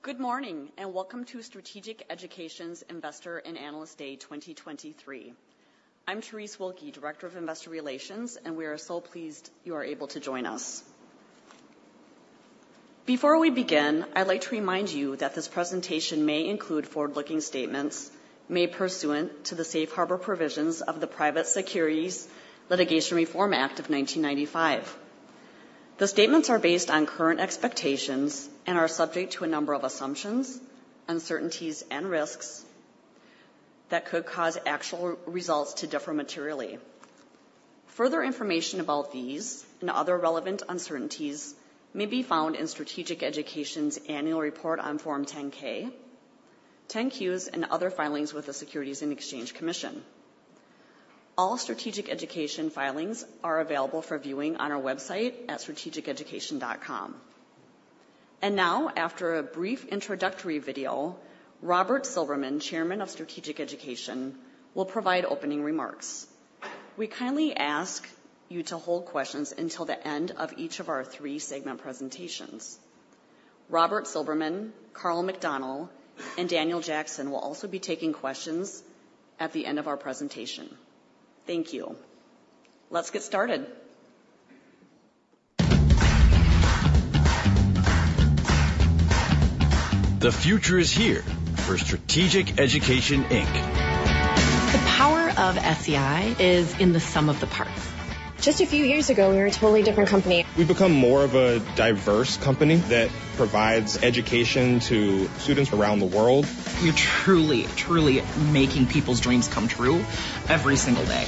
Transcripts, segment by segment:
Good morning, and welcome to Strategic Education's Investor and Analyst Day 2023. I'm Terese Wilke, Director of Investor Relations, and we are so pleased you are able to join us. Before we begin, I'd like to remind you that this presentation may include forward-looking statements made pursuant to the Safe Harbor Provisions of the Private Securities Litigation Reform Act of 1995. The statements are based on current expectations and are subject to a number of assumptions, uncertainties, and risks that could cause actual results to differ materially. Further information about these and other relevant uncertainties may be found in Strategic Education's annual report on Form 10-K, 10-Qs, and other filings with the Securities and Exchange Commission. All Strategic Education filings are available for viewing on our website at strategiceducation.com. And now, after a brief introductory video, Robert Silberman, Chairman of Strategic Education, will provide opening remarks. We kindly ask you to hold questions until the end of each of our three segment presentations. Robert Silberman, Karl McDonnell, and Daniel Jackson will also be taking questions at the end of our presentation. Thank you. Let's get started. The future is here for Strategic Education, Inc. The power of SEI is in the sum of the parts. Just a few years ago, we were a totally different company. We've become more of a diverse company that provides education to students around the world. We're truly, truly making people's dreams come true every single day.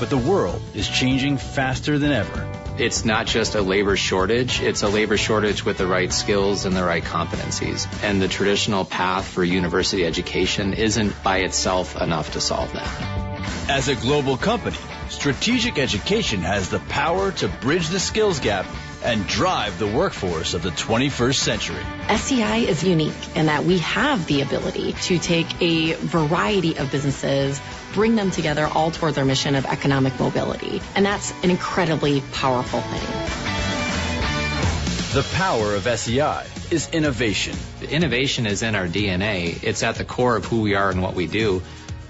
But the world is changing faster than ever. It's not just a labor shortage, it's a labor shortage with the right skills and the right competencies, and the traditional path for university education isn't by itself enough to solve that. As a global company, Strategic Education has the power to bridge the skills gap and drive the workforce of the twenty-first century. SEI is unique in that we have the ability to take a variety of businesses, bring them together all toward their mission of economic mobility, and that's an incredibly powerful thing. The power of SEI is innovation. Innovation is in our DNA. It's at the core of who we are and what we do,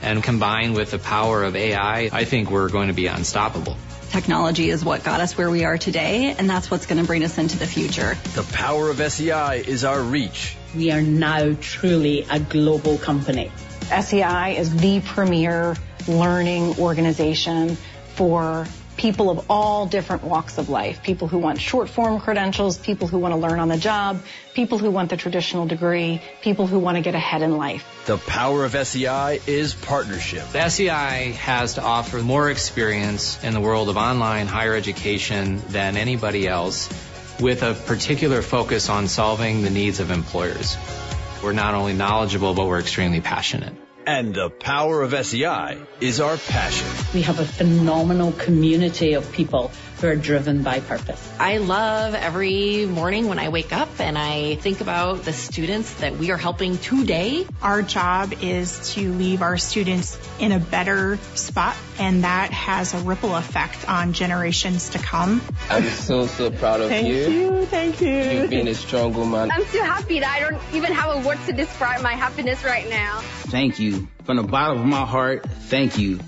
and combined with the power of AI, I think we're going to be unstoppable. Technology is what got us where we are today, and that's what's gonna bring us into the future. The power of SEI is our reach. We are now truly a global company. SEI is the premier learning organization for people of all different walks of life. People who want short-form credentials, people who wanna learn on the job, people who want the traditional degree, people who wanna get ahead in life. The power of SEI is partnership. SEI has to offer more experience in the world of online higher education than anybody else, with a particular focus on solving the needs of employers. We're not only knowledgeable, but we're extremely passionate. The power of SEI is our passion. We have a phenomenal community of people who are driven by purpose. I love every morning when I wake up, and I think about the students that we are helping today. Our job is to leave our students in a better spot, and that has a ripple effect on generations to come. I'm so, so proud of you- Thank you. Thank you. - you being a strong woman. I'm so happy that I don't even have words to describe my happiness right now. Thank you from the bottom of my heart. Thank you.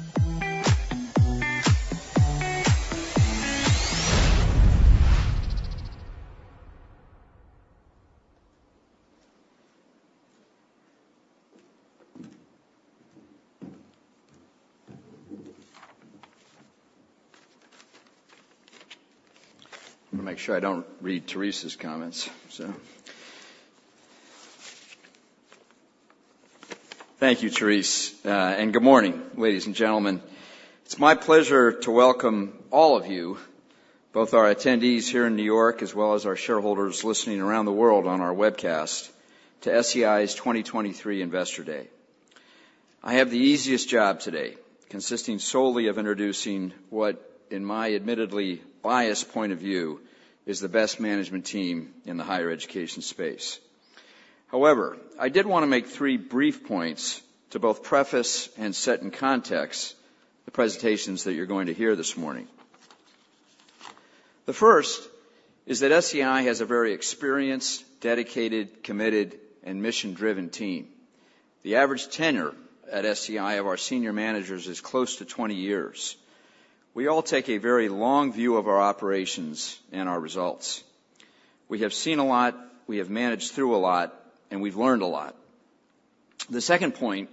I'm gonna make sure I don't read Terese's comments, so... Thank you, Terese, and good morning, ladies and gentlemen. It's my pleasure to welcome all of you, both our attendees here in New York, as well as our shareholders listening around the world on our webcast, to SEI's 2023 Investor Day. I have the easiest job today, consisting solely of introducing what, in my admittedly biased point of view, is the best management team in the higher education space. However, I did wanna make three brief points to both preface and set in context the presentations that you're going to hear this morning. The first is that SEI has a very experienced, dedicated, committed, and mission-driven team. The average tenure at SEI of our senior managers is close to 20 years. We all take a very long view of our operations and our results. We have seen a lot, we have managed through a lot, and we've learned a lot. The second point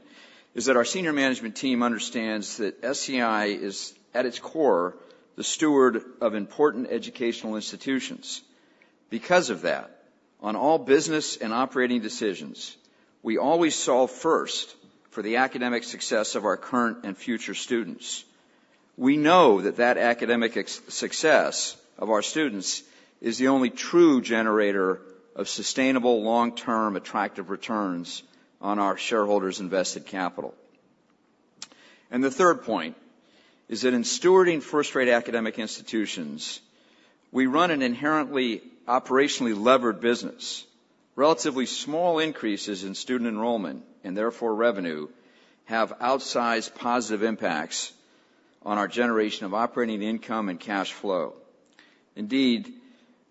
is that our senior management team understands that SEI is, at its core, the steward of important educational institutions. Because of that, on all business and operating decisions, we always solve first for the academic success of our current and future students. We know that that academic success of our students is the only true generator of sustainable, long-term, attractive returns on our shareholders' invested capital. The third point is that in stewarding first-rate academic institutions, we run an inherently operationally levered business. Relatively small increases in student enrollment, and therefore revenue, have outsized positive impacts on our generation of operating income and cash flow. Indeed,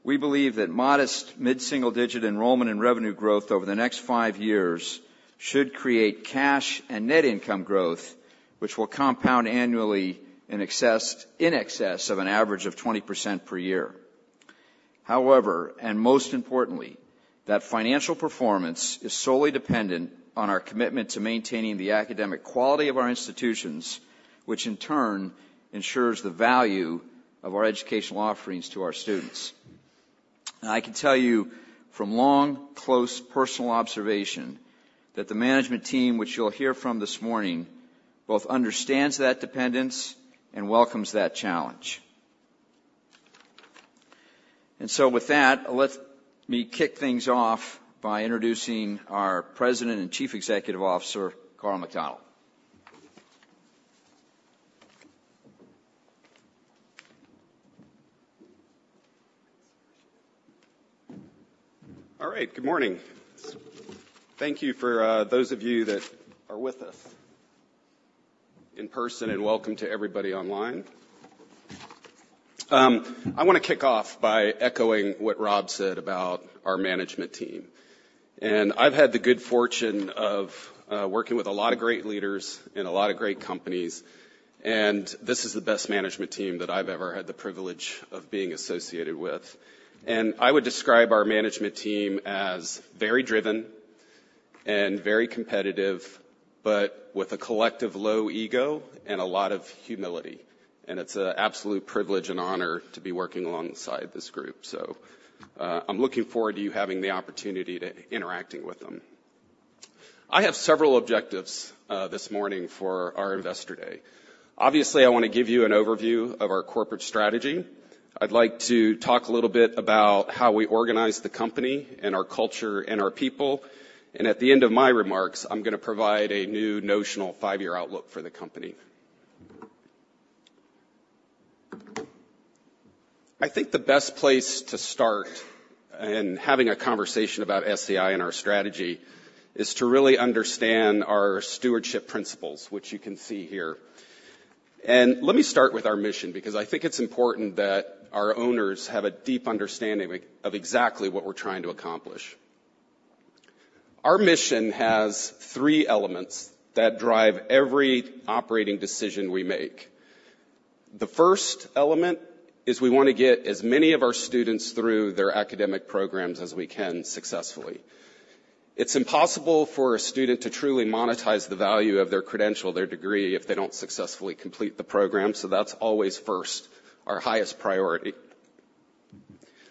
we believe that modest mid-single-digit enrollment and revenue growth over the next 5 years should create cash and net income growth, which will compound annually in excess, in excess of an average of 20% per year. However, and most importantly, that financial performance is solely dependent on our commitment to maintaining the academic quality of our institutions, which in turn ensures the value of our educational offerings to our students. And I can tell you from long, close personal observation, that the management team, which you'll hear from this morning, both understands that dependence and welcomes that challenge. And so with that, let me kick things off by introducing our President and Chief Executive Officer, Karl McDonnell. All right. Good morning. Thank you for, those of you that are with us in person, and welcome to everybody online. I wanna kick off by echoing what Rob said about our management team. And I've had the good fortune of working with a lot of great leaders and a lot of great companies, and this is the best management team that I've ever had the privilege of being associated with. And I would describe our management team as very driven and very competitive, but with a collective low ego and a lot of humility. And it's an absolute privilege and honor to be working alongside this group. So, I'm looking forward to you having the opportunity to interacting with them. I have several objectives this morning for our Investor Day. Obviously, I want to give you an overview of our corporate strategy. I'd like to talk a little bit about how we organize the company and our culture and our people, and at the end of my remarks, I'm gonna provide a new notional five-year outlook for the company. I think the best place to start in having a conversation about SEI and our strategy is to really understand our stewardship principles, which you can see here. Let me start with our mission, because I think it's important that our owners have a deep understanding of exactly what we're trying to accomplish. Our mission has three elements that drive every operating decision we make. The first element is we want to get as many of our students through their academic programs as we can successfully. It's impossible for a student to truly monetize the value of their credential, their degree, if they don't successfully complete the program, so that's always first, our highest priority.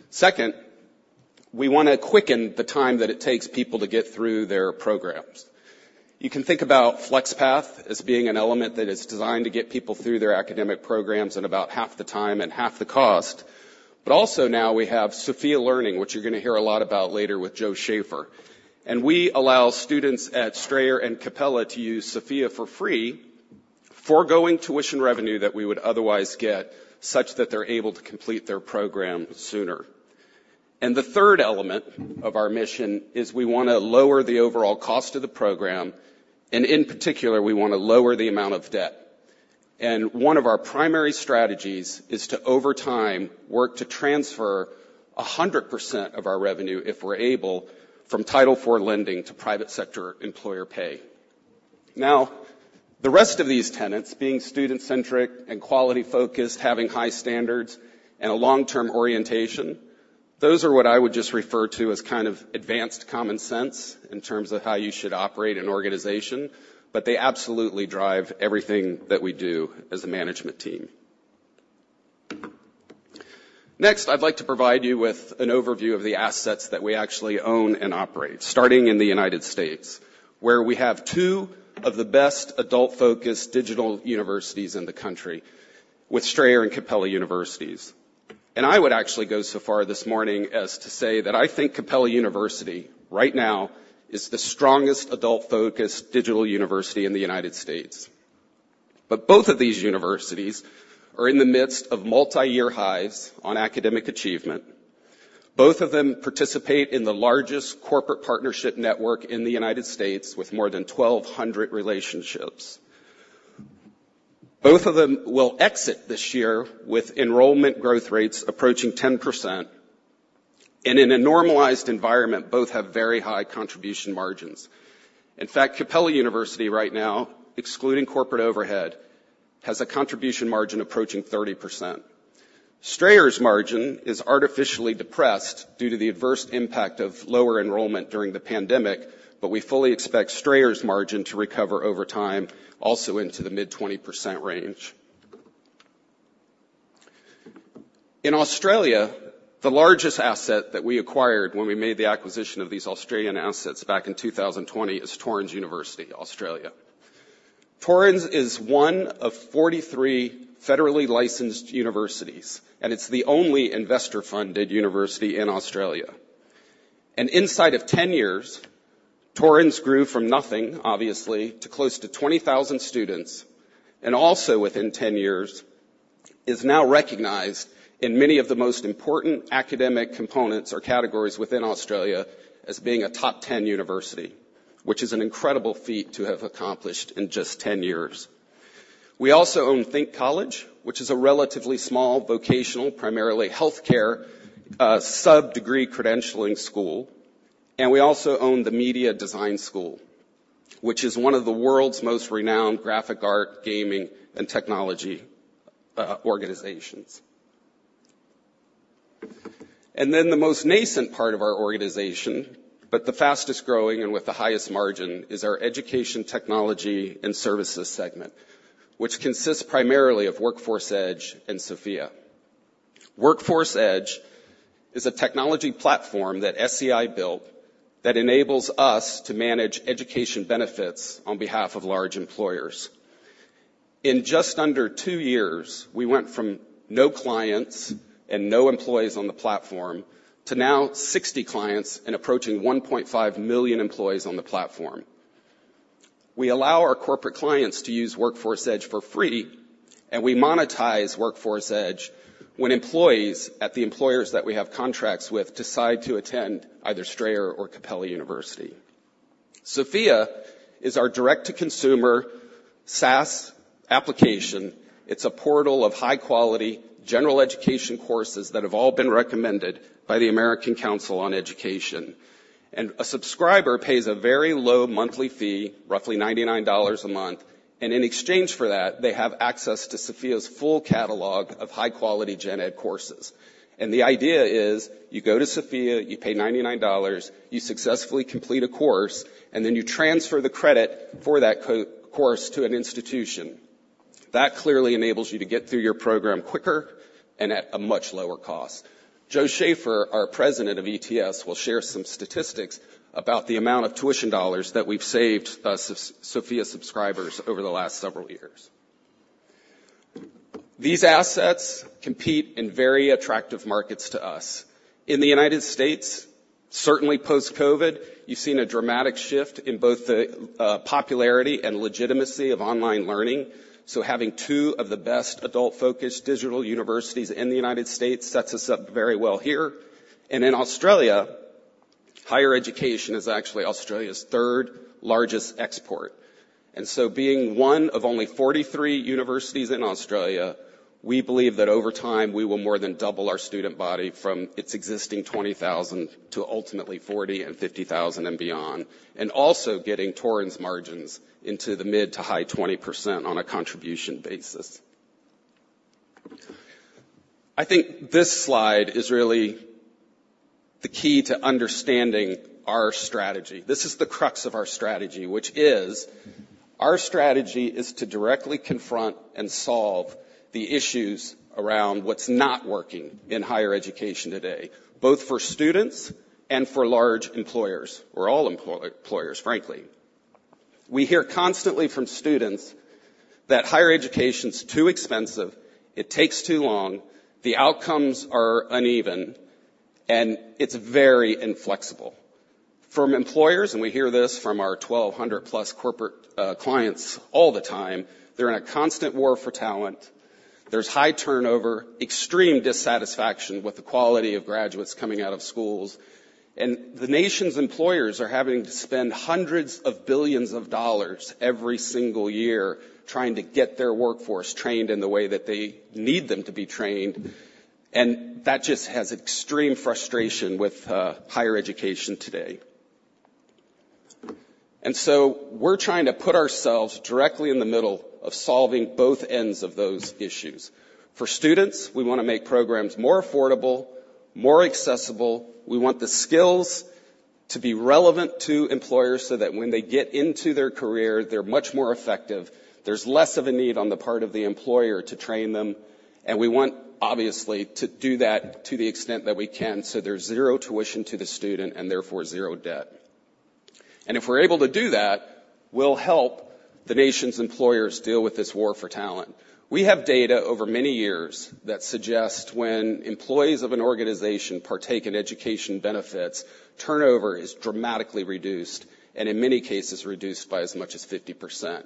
Second, we wanna quicken the time that it takes people to get through their programs. You can think about FlexPath as being an element that is designed to get people through their academic programs in about half the time and half the cost. But also now we have Sophia Learning, which you're gonna hear a lot about later with Joe Schaefer, and we allow students at Strayer and Capella to use Sophia for free, foregoing tuition revenue that we would otherwise get, such that they're able to complete their program sooner. The third element of our mission is we wanna lower the overall cost of the program, and in particular, we want to lower the amount of debt. One of our primary strategies is to, over time, work to transfer 100% of our revenue, if we're able, from Title IV lending to private sector employer pay. Now, the rest of these tenets, being student-centric and quality-focused, having high standards and a long-term orientation, those are what I would just refer to as kind of advanced common sense in terms of how you should operate an organization, but they absolutely drive everything that we do as a management team. Next, I'd like to provide you with an overview of the assets that we actually own and operate, starting in the United States, where we have two of the best adult-focused digital universities in the country with Strayer and Capella Universities. I would actually go so far this morning as to say that I think Capella University, right now, is the strongest adult-focused digital university in the United States. But both of these universities are in the midst of multi-year highs on academic achievement. Both of them participate in the largest corporate partnership network in the United States, with more than 1,200 relationships. Both of them will exit this year with enrollment growth rates approaching 10%, and in a normalized environment, both have very high contribution margins. In fact, Capella University right now, excluding corporate overhead, has a contribution margin approaching 30%. Strayer's margin is artificially depressed due to the adverse impact of lower enrollment during the pandemic, but we fully expect Strayer's margin to recover over time, also into the mid-20% range. In Australia, the largest asset that we acquired when we made the acquisition of these Australian assets back in two thousand and twenty, is Torrens University, Australia. Torrens is one of forty-three federally licensed universities, and it's the only investor-funded university in Australia. And inside of ten years, Torrens grew from nothing, obviously, to close to twenty thousand students, and also within ten years-... is now recognized in many of the most important academic components or categories within Australia as being a top ten university, which is an incredible feat to have accomplished in just ten years. We also own Think College, which is a relatively small vocational, primarily healthcare, uh, sub-degree credentialing school. And we also own the Media Design School, which is one of the world's most renowned graphic art, gaming, and technology, uh, organizations. And then the most nascent part of our organization, but the fastest-growing and with the highest margin, is our education technology and services segment, which consists primarily of Workforce Edge and Sophia. Workforce Edge is a technology platform that SEI built that enables us to manage education benefits on behalf of large employers. In just under two years, we went from no clients and no employees on the platform to now 60 clients and approaching 1.5 million employees on the platform. We allow our corporate clients to use Workforce Edge for free, and we monetize Workforce Edge when employees at the employers that we have contracts with decide to attend either Strayer or Capella University. Sophia is our direct-to-consumer SaaS application. It's a portal of high-quality general education courses that have all been recommended by the American Council on Education. And a subscriber pays a very low monthly fee, roughly ninety-nine dollars a month, and in exchange for that, they have access to Sophia's full catalog of high-quality gen ed courses. And the idea is, you go to Sophia, you pay ninety-nine dollars, you successfully complete a course, and then you transfer the credit for that co- course to an institution. That clearly enables you to get through your program quicker and at a much lower cost. Joe Schaefer, our President of ETS, will share some statistics about the amount of tuition dollars that we've saved, uh, So- Sophia subscribers over the last several years. These assets compete in very attractive markets to us. In the United States, certainly post-COVID, you've seen a dramatic shift in both the, uh, popularity and legitimacy of online learning. So having two of the best adult-focused digital universities in the United States sets us up very well here. In Australia, higher education is actually Australia's third largest export. Being one of only 43 universities in Australia, we believe that over time, we will more than double our student body from its existing 20,000 to ultimately 40,000 and 50,000 and beyond, and also getting Torrens margins into the mid- to high 20% on a contribution basis. I think this slide is really the key to understanding our strategy. This is the crux of our strategy, which is our strategy is to directly confront and solve the issues around what's not working in higher education today, both for students and for large employers or all employers, frankly. We hear constantly from students that higher education is too expensive, it takes too long, the outcomes are uneven, and it's very inflexible. From employers, and we hear this from our 1,200+ corporate clients all the time, they're in a constant war for talent. There's high turnover, extreme dissatisfaction with the quality of graduates coming out of schools. The nation's employers are having to spend $hundreds of billions every single year trying to get their workforce trained in the way that they need them to be trained, and that just has extreme frustration with higher education today. So we're trying to put ourselves directly in the middle of solving both ends of those issues. For students, we wanna make programs more affordable, more accessible. We want the skills to be relevant to employers so that when they get into their career, they're much more effective. There's less of a need on the part of the employer to train them, and we want, obviously, to do that to the extent that we can, so there's zero tuition to the student and therefore zero debt. And if we're able to do that, we'll help the nation's employers deal with this war for talent. We have data over many years that suggest when employees of an organization partake in education benefits, turnover is dramatically reduced, and in many cases, reduced by as much as 50%.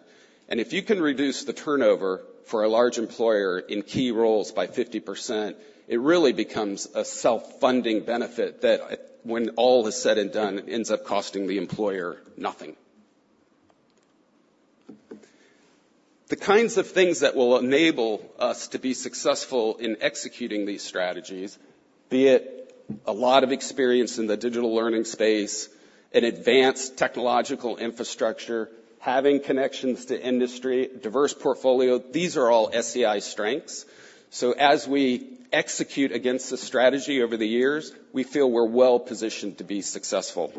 And if you can reduce the turnover for a large employer in key roles by 50%, it really becomes a self-funding benefit that, when all is said and done, ends up costing the employer nothing. The kinds of things that will enable us to be successful in executing these strategies, be it a lot of experience in the digital learning space and advanced technological infrastructure, having connections to industry, diverse portfolio, these are all SEI strengths. So as we execute against this strategy over the years, we feel we're well positioned to be successful.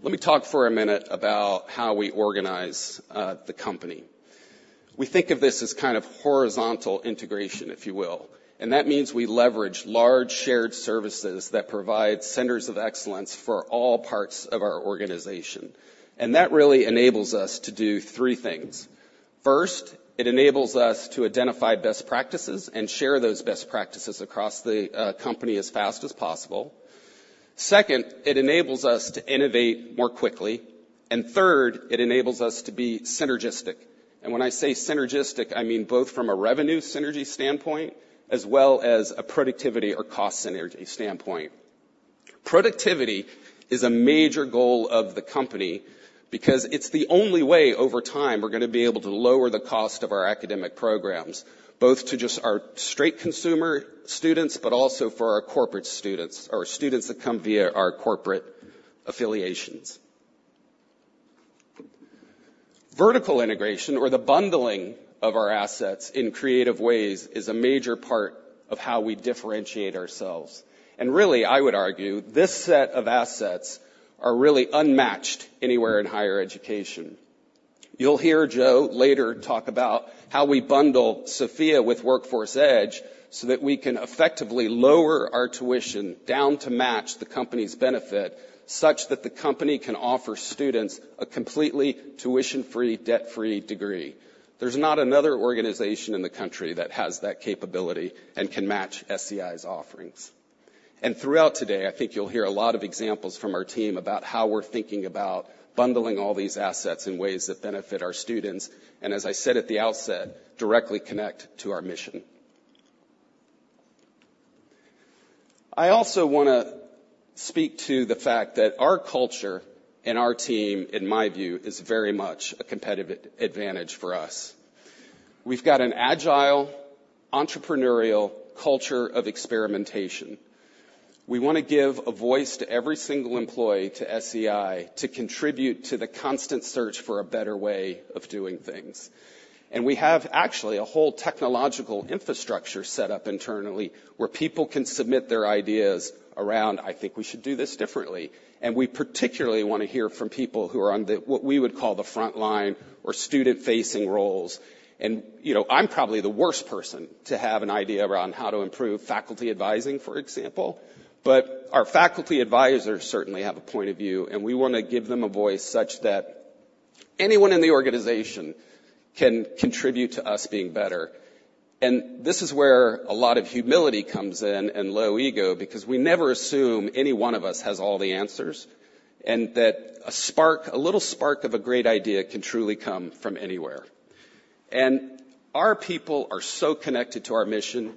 Let me talk for a minute about how we organize the company. We think of this as kind of horizontal integration, if you will, and that means we leverage large shared services that provide centers of excellence for all parts of our organization, and that really enables us to do three things. First, it enables us to identify best practices and share those best practices across the company as fast as possible.... Second, it enables us to innovate more quickly. And third, it enables us to be synergistic. When I say synergistic, I mean both from a revenue synergy standpoint, as well as a productivity or cost synergy standpoint. Productivity is a major goal of the company because it's the only way, over time, we're gonna be able to lower the cost of our academic programs, both to just our straight consumer students, but also for our corporate students or students that come via our corporate affiliations. Vertical integration or the bundling of our assets in creative ways is a major part of how we differentiate ourselves. And really, I would argue, this set of assets are really unmatched anywhere in higher education. You'll hear Joe late There's not another organization in the country that has that capability and can match SEI's offerings. Throughout today, I think you'll hear a lot of examples from our team about how we're thinking about bundling all these assets in ways that benefit our students, and as I said at the outset, directly connect to our mission. I also wanna speak to the fact that our culture and our team, in my view, is very much a competitive advantage for us. We've got an agile, entrepreneurial culture of experimentation. We wanna give a voice to every single employee, to SEI, to contribute to the constant search for a better way of doing things. And we have actually a whole technological infrastructure set up internally, where people can submit their ideas around, "I think we should do this differently." We particularly wanna hear from people who are on the, what we would call the front line or student-facing roles. You know, I'm probably the worst person to have an idea around how to improve faculty advising, for example, but our faculty advisors certainly have a point of view, and we wanna give them a voice such that anyone in the organization can contribute to us being better. This is where a lot of humility comes in and low ego, because we never assume any one of us has all the answers, and that a spark, a little spark of a great idea can truly come from anywhere. Our people are so connected to our mission.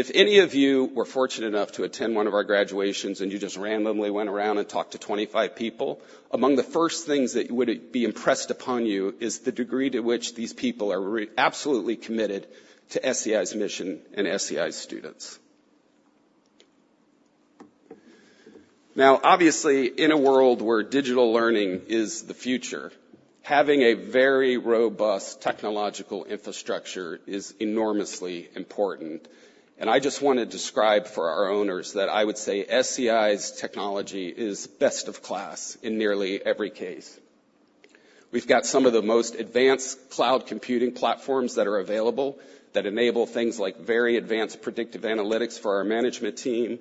If any of you were fortunate enough to attend one of our graduations, and you just randomly went around and talked to 25 people, among the first things that would be impressed upon you is the degree to which these people are absolutely committed to SEI's mission and SEI's students. Now, obviously, in a world where digital learning is the future, having a very robust technological infrastructure is enormously important. I just want to describe for our owners that I would say SEI's technology is best of class in nearly every case. We've got some of the most advanced cloud computing platforms that are available that enable things like very advanced predictive analytics for our management team.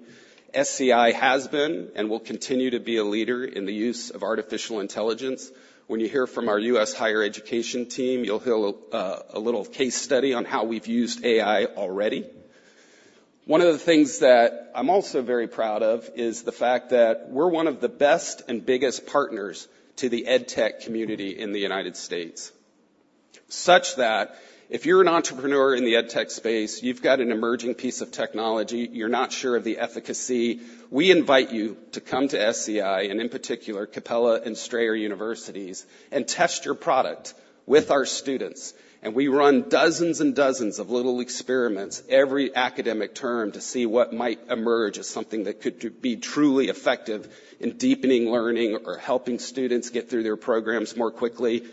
SEI has been and will continue to be a leader in the use of artificial intelligence. When you hear from our U.S. higher education team, you'll hear a, a little case study on how we've used AI already. One of the things that I'm also very proud of is the fact that we're one of the best and biggest partners to the edtech community in the United States. Such that, if you're an entrepreneur in the edtech space, you've got an emerging piece of technology, you're not sure of the efficacy, we invite you to come to SEI, and in particular, Capella and Strayer universities, and test your product with our students. We run dozens and dozens of little experiments every academic term to see what might emerge as something that could be truly effective in deepening learning or helping students get through their programs more quickly.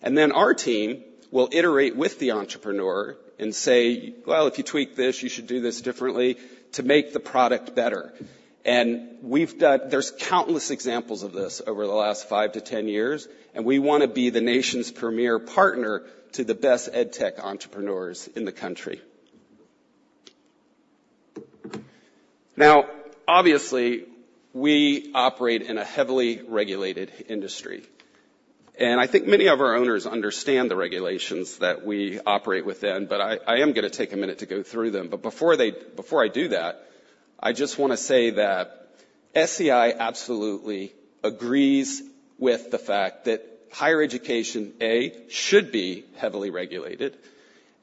And then our team will iterate with the entrepreneur and say, "Well, if you tweak this, you should do this differently," to make the product better. And we've done-- there's countless examples of this over the last five to ten years, and we wanna be the nation's premier partner to the best edtech entrepreneurs in the country. Now, obviously, we operate in a heavily regulated industry, and I think many of our owners understand the regulations that we operate within, but I, I am gonna take a minute to go through them. But before they-- before I do that, I just wanna say that SEI absolutely agrees with the fact that higher education, A, should be heavily regulated,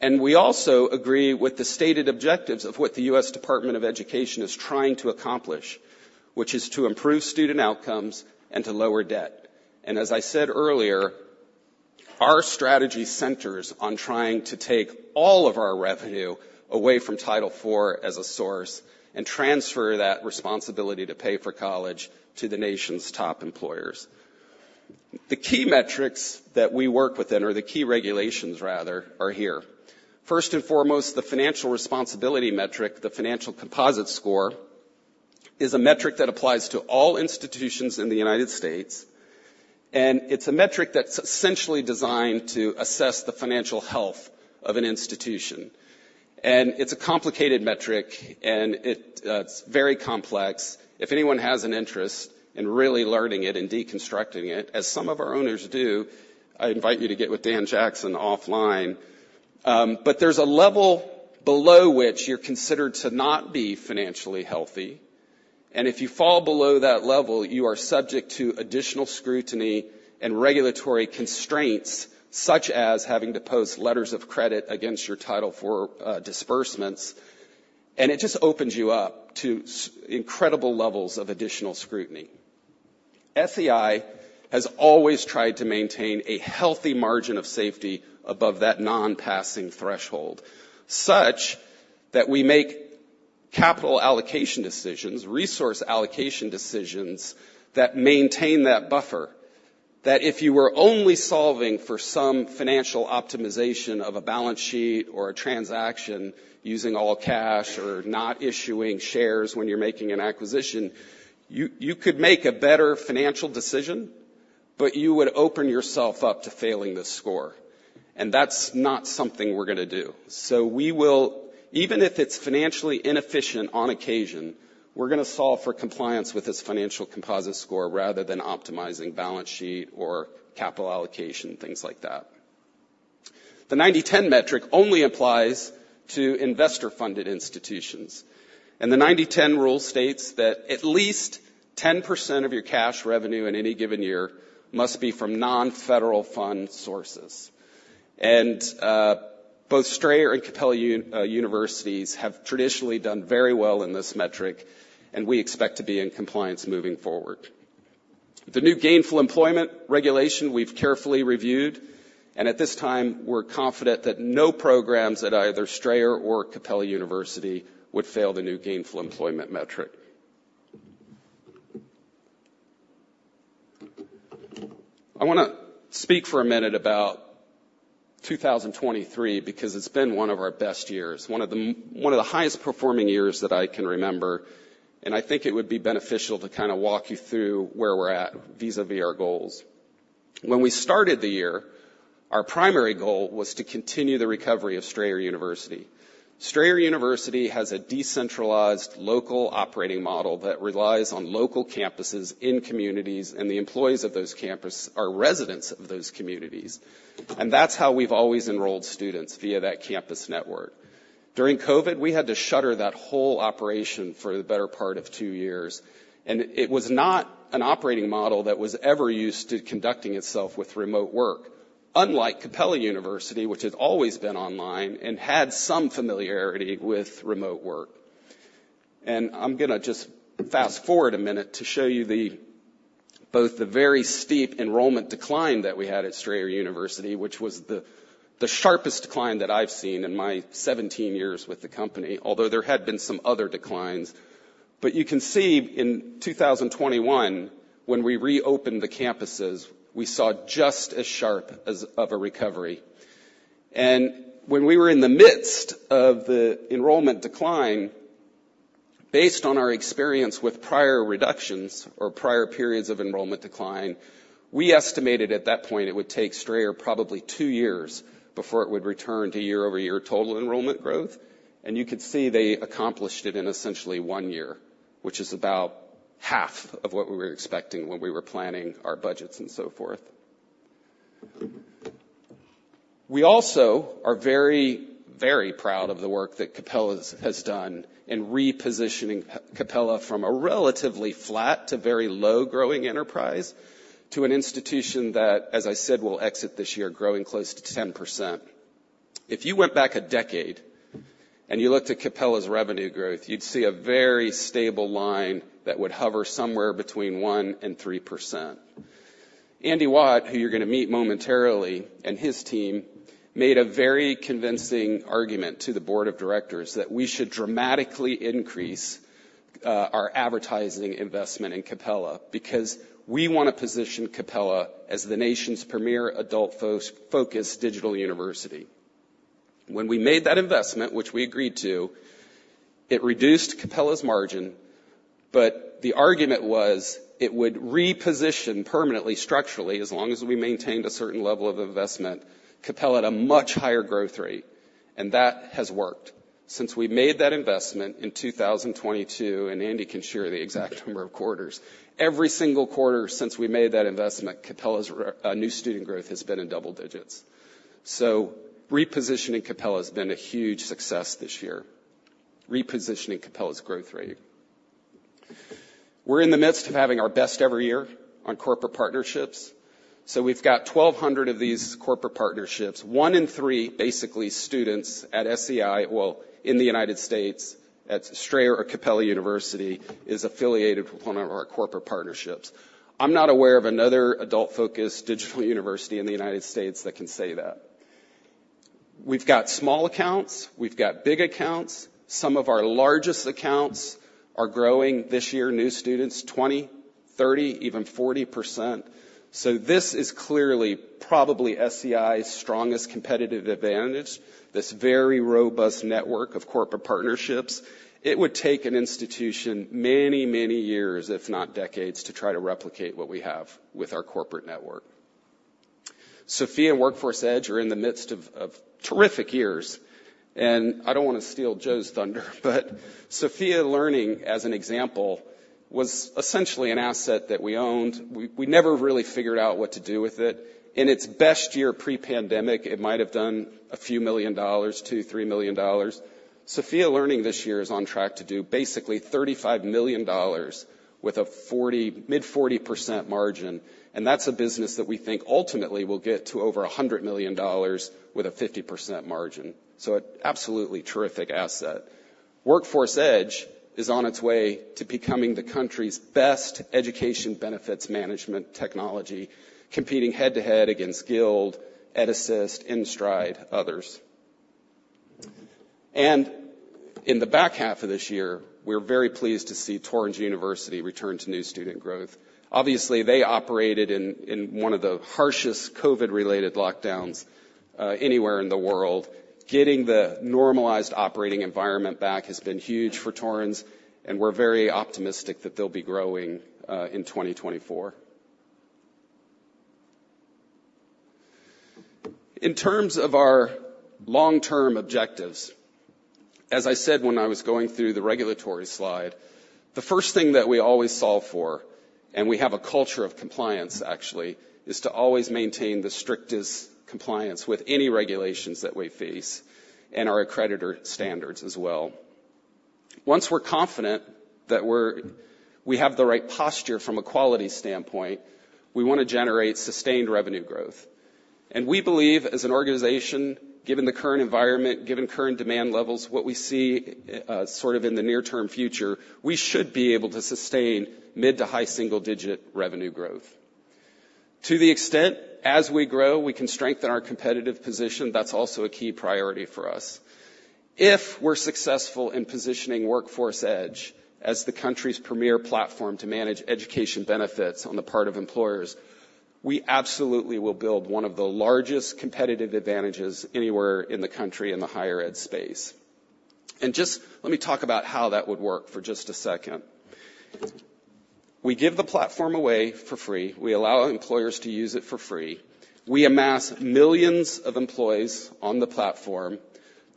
and we also agree with the stated objectives of what the US Department of Education is trying to accomplish, which is to improve student outcomes and to lower debt. As I said earlier, our strategy centers on trying to take all of our revenue away from Title IV as a source and transfer that responsibility to pay for college to the nation's top employers. The key metrics that we work within, or the key regulations, rather, are here. First and foremost, the Financial Responsibility Composite Score is a metric that applies to all institutions in the United States, and it's a metric that's essentially designed to assess the financial health of an institution. And it's a complicated metric, and it, it's very complex. If anyone has an interest in really learning it and deconstructing it, as some of our owners do, I invite you to get with Dan Jackson offline.... But there's a level below which you're considered to not be financially healthy, and if you fall below that level, you are subject to additional scrutiny and regulatory constraints, such as having to post letters of credit against your Title IV disbursements. And it just opens you up to such incredible levels of additional scrutiny. SEI has always tried to maintain a healthy margin of safety above that non-passing threshold, such that we make capital allocation decisions, resource allocation decisions, that maintain that buffer. That if you were only solving for some financial optimization of a balance sheet or a transaction using all cash or not issuing shares when you're making an acquisition, you could make a better financial decision, but you would open yourself up to failing the score, and that's not something we're gonna do. So we will-- even if it's financially inefficient on occasion, we're gonna solve for compliance with this financial composite score rather than optimizing balance sheet or capital allocation, things like that. The ninety/ten metric only applies to investor-funded institutions, and the ninety/ten rule states that at least ten percent of your cash revenue in any given year must be from non-federal fund sources. And, uh, both Strayer and Capella Un- uh, Universities have traditionally done very well in this metric, and we expect to be in compliance moving forward. The new gainful employment regulation we've carefully reviewed, and at this time, we're confident that no programs at either Strayer or Capella University would fail the new gainful employment metric. I wanna speak for a minute about 2023, because it's been one of our best years, one of the highest performing years that I can remember, and I think it would be beneficial to kinda walk you through where we're at vis-à-vis our goals. When we started the year, our primary goal was to continue the recovery of Strayer University. Strayer University has a decentralized local operating model that relies on local campuses in communities, and the employees of those campuses are residents of those communities. And that's how we've always enrolled students, via that campus network. During COVID, we had to shutter that whole operation for the better part of two years, and it was not an operating model that was ever used to conducting itself with remote work, unlike Capella University, which had always been online and had some familiarity with remote work. And I'm gonna just fast forward a minute to show you the, both the very steep enrollment decline that we had at Strayer University, which was the, the sharpest decline that I've seen in my seventeen years with the company, although there had been some other declines. But you can see in two thousand twenty-one, when we reopened the campuses, we saw just as sharp as, of a recovery. And when we were in the midst of the enrollment decline, based on our experience with prior reductions or prior periods of enrollment decline, we estimated at that point it would take Strayer probably two years before it would return to year-over-year total enrollment growth. And you could see they accomplished it in essentially one year, which is about half of what we were expecting when we were planning our budgets and so forth. We also are very, very proud of the work that Capella has, has done in repositioning Pe- Capella from a relatively flat to very low-growing enterprise, to an institution that, as I said, will exit this year growing close to ten percent. If you went back a decade and you looked at Capella's revenue growth, you'd see a very stable line that would hover somewhere between one and three percent. Andy Watt, who you're gonna meet momentarily, and his team, made a very convincing argument to the board of directors that we should dramatically increase our advertising investment in Capella, because we wanna position Capella as the nation's premier adult focused digital university. When we made that investment, which we agreed to, it reduced Capella's margin, but the argument was it would reposition permanently, structurally, as long as we maintained a certain level of investment, Capella at a much higher growth rate, and that has worked. Since we made that investment in 2022, and Andy can share the exact number of quarters, every single quarter since we made that investment, Capella's new student growth has been in double digits. So repositioning Capella has been a huge success this year, repositioning Capella's growth rate. We're in the midst of having our best ever year on corporate partnerships, so we've got 1,200 of these corporate partnerships. One in three, basically, students at SEI. Well, in the United States, at Strayer or Capella University, is affiliated with one of our corporate partnerships. I'm not aware of another adult-focused digital university in the United States that can say that. We've got small accounts, we've got big accounts. Some of our largest accounts are growing this year, new students, 20%, 30%, even 40%. So this is clearly probably SEI's strongest competitive advantage, this very robust network of corporate partnerships. It would take an institution many, many years, if not decades, to try to replicate what we have with our corporate network. Sophia and Workforce Edge are in the midst of terrific years. I don't want to steal Joe's thunder, but Sophia Learning, as an example, was essentially an asset that we owned. We, we never really figured out what to do with it. In its best year pre-pandemic, it might have done a few million dollars, $2-$3 million. Sophia Learning this year is on track to do basically $35 million with a mid-40% margin, and that's a business that we think ultimately will get to over $100 million with a 50% margin. So an absolutely terrific asset. Workforce Edge is on its way to becoming the country's best education benefits management technology, competing head-to-head against Guild, EdAssist, InStride, others. And in the back half of this year, we're very pleased to see Torrens University return to new student growth. Obviously, they operated in one of the harshest COVID-related lockdowns anywhere in the world. Getting the normalized operating environment back has been huge for Torrens, and we're very optimistic that they'll be growing in 2024. In terms of our long-term objectives, as I said when I was going through the regulatory slide, the first thing that we always solve for, and we have a culture of compliance, actually, is to always maintain the strictest compliance with any regulations that we face and our accreditor standards as well. Once we're confident that we have the right posture from a quality standpoint, we want to generate sustained revenue growth. And we believe as an organization, given the current environment, given current demand levels, what we see, sort of in the near-term future, we should be able to sustain mid to high single-digit revenue growth. To the extent, as we grow, we can strengthen our competitive position, that's also a key priority for us. If we're successful in positioning Workforce Edge as the country's premier platform to manage education benefits on the part of employers, we absolutely will build one of the largest competitive advantages anywhere in the country in the higher ed space. And just let me talk about how that would work for just a second. We give the platform away for free. We allow employers to use it for free. We amass millions of employees on the platform.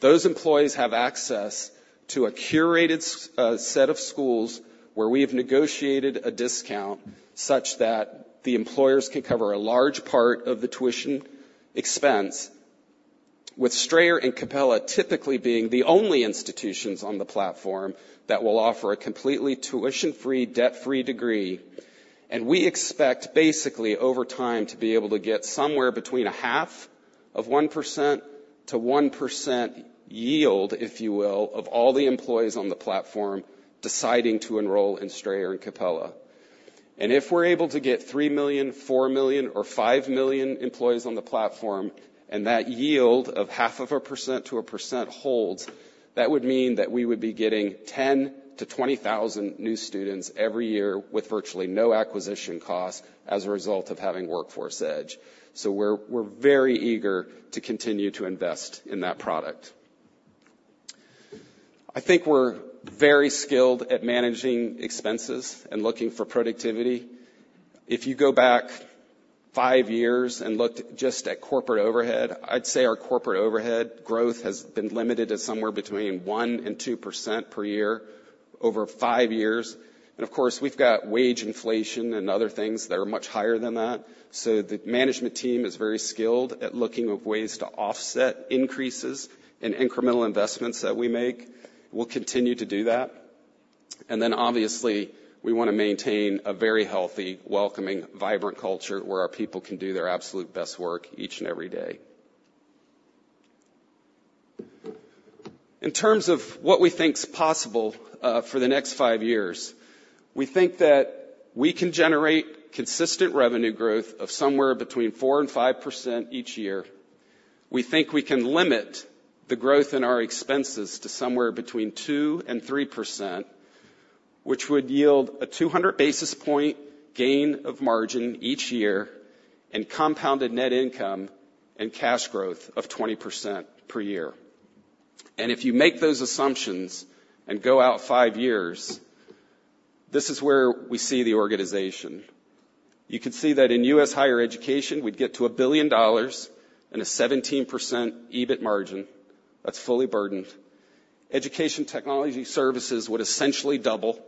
Those employees have access to a curated set of schools where we have negotiated a discount such that the employers can cover a large part of the tuition expense, with Strayer and Capella typically being the only institutions on the platform that will offer a completely tuition-free, debt-free degree. We expect, basically, over time, to be able to get somewhere between 0.5%-1% yield, if you will, of all the employees on the platform deciding to enroll in Strayer and Capella. If we're able to get 3 million, 4 million or 5 million employees on the platform, and that yield of 0.5%-1% holds, that would mean that we would be getting 10,000-20,000 new students every year with virtually no acquisition costs as a result of having Workforce Edge. We're, we're very eager to continue to invest in that product. I think we're very skilled at managing expenses and looking for productivity. If you go back five years and looked just at corporate overhead, I'd say our corporate overhead growth has been limited to somewhere between 1% and 2% per year over five years. And of course, we've got wage inflation and other things that are much higher than that. So the management team is very skilled at looking for ways to offset increases in incremental investments that we make. We'll continue to do that. And then, obviously, we want to maintain a very healthy, welcoming, vibrant culture where our people can do their absolute best work each and every day. In terms of what we think is possible, for the next five years, we think that we can generate consistent revenue growth of somewhere between 4% and 5% each year. We think we can limit the growth in our expenses to somewhere between 2% and 3%, which would yield a 200 basis point gain of margin each year and compounded net income and cash growth of 20% per year. If you make those assumptions and go out five years, this is where we see the organization. You can see that in U.S. higher education, we'd get to $1 billion and a 17% EBIT margin that's fully burdened. Education technology services would essentially double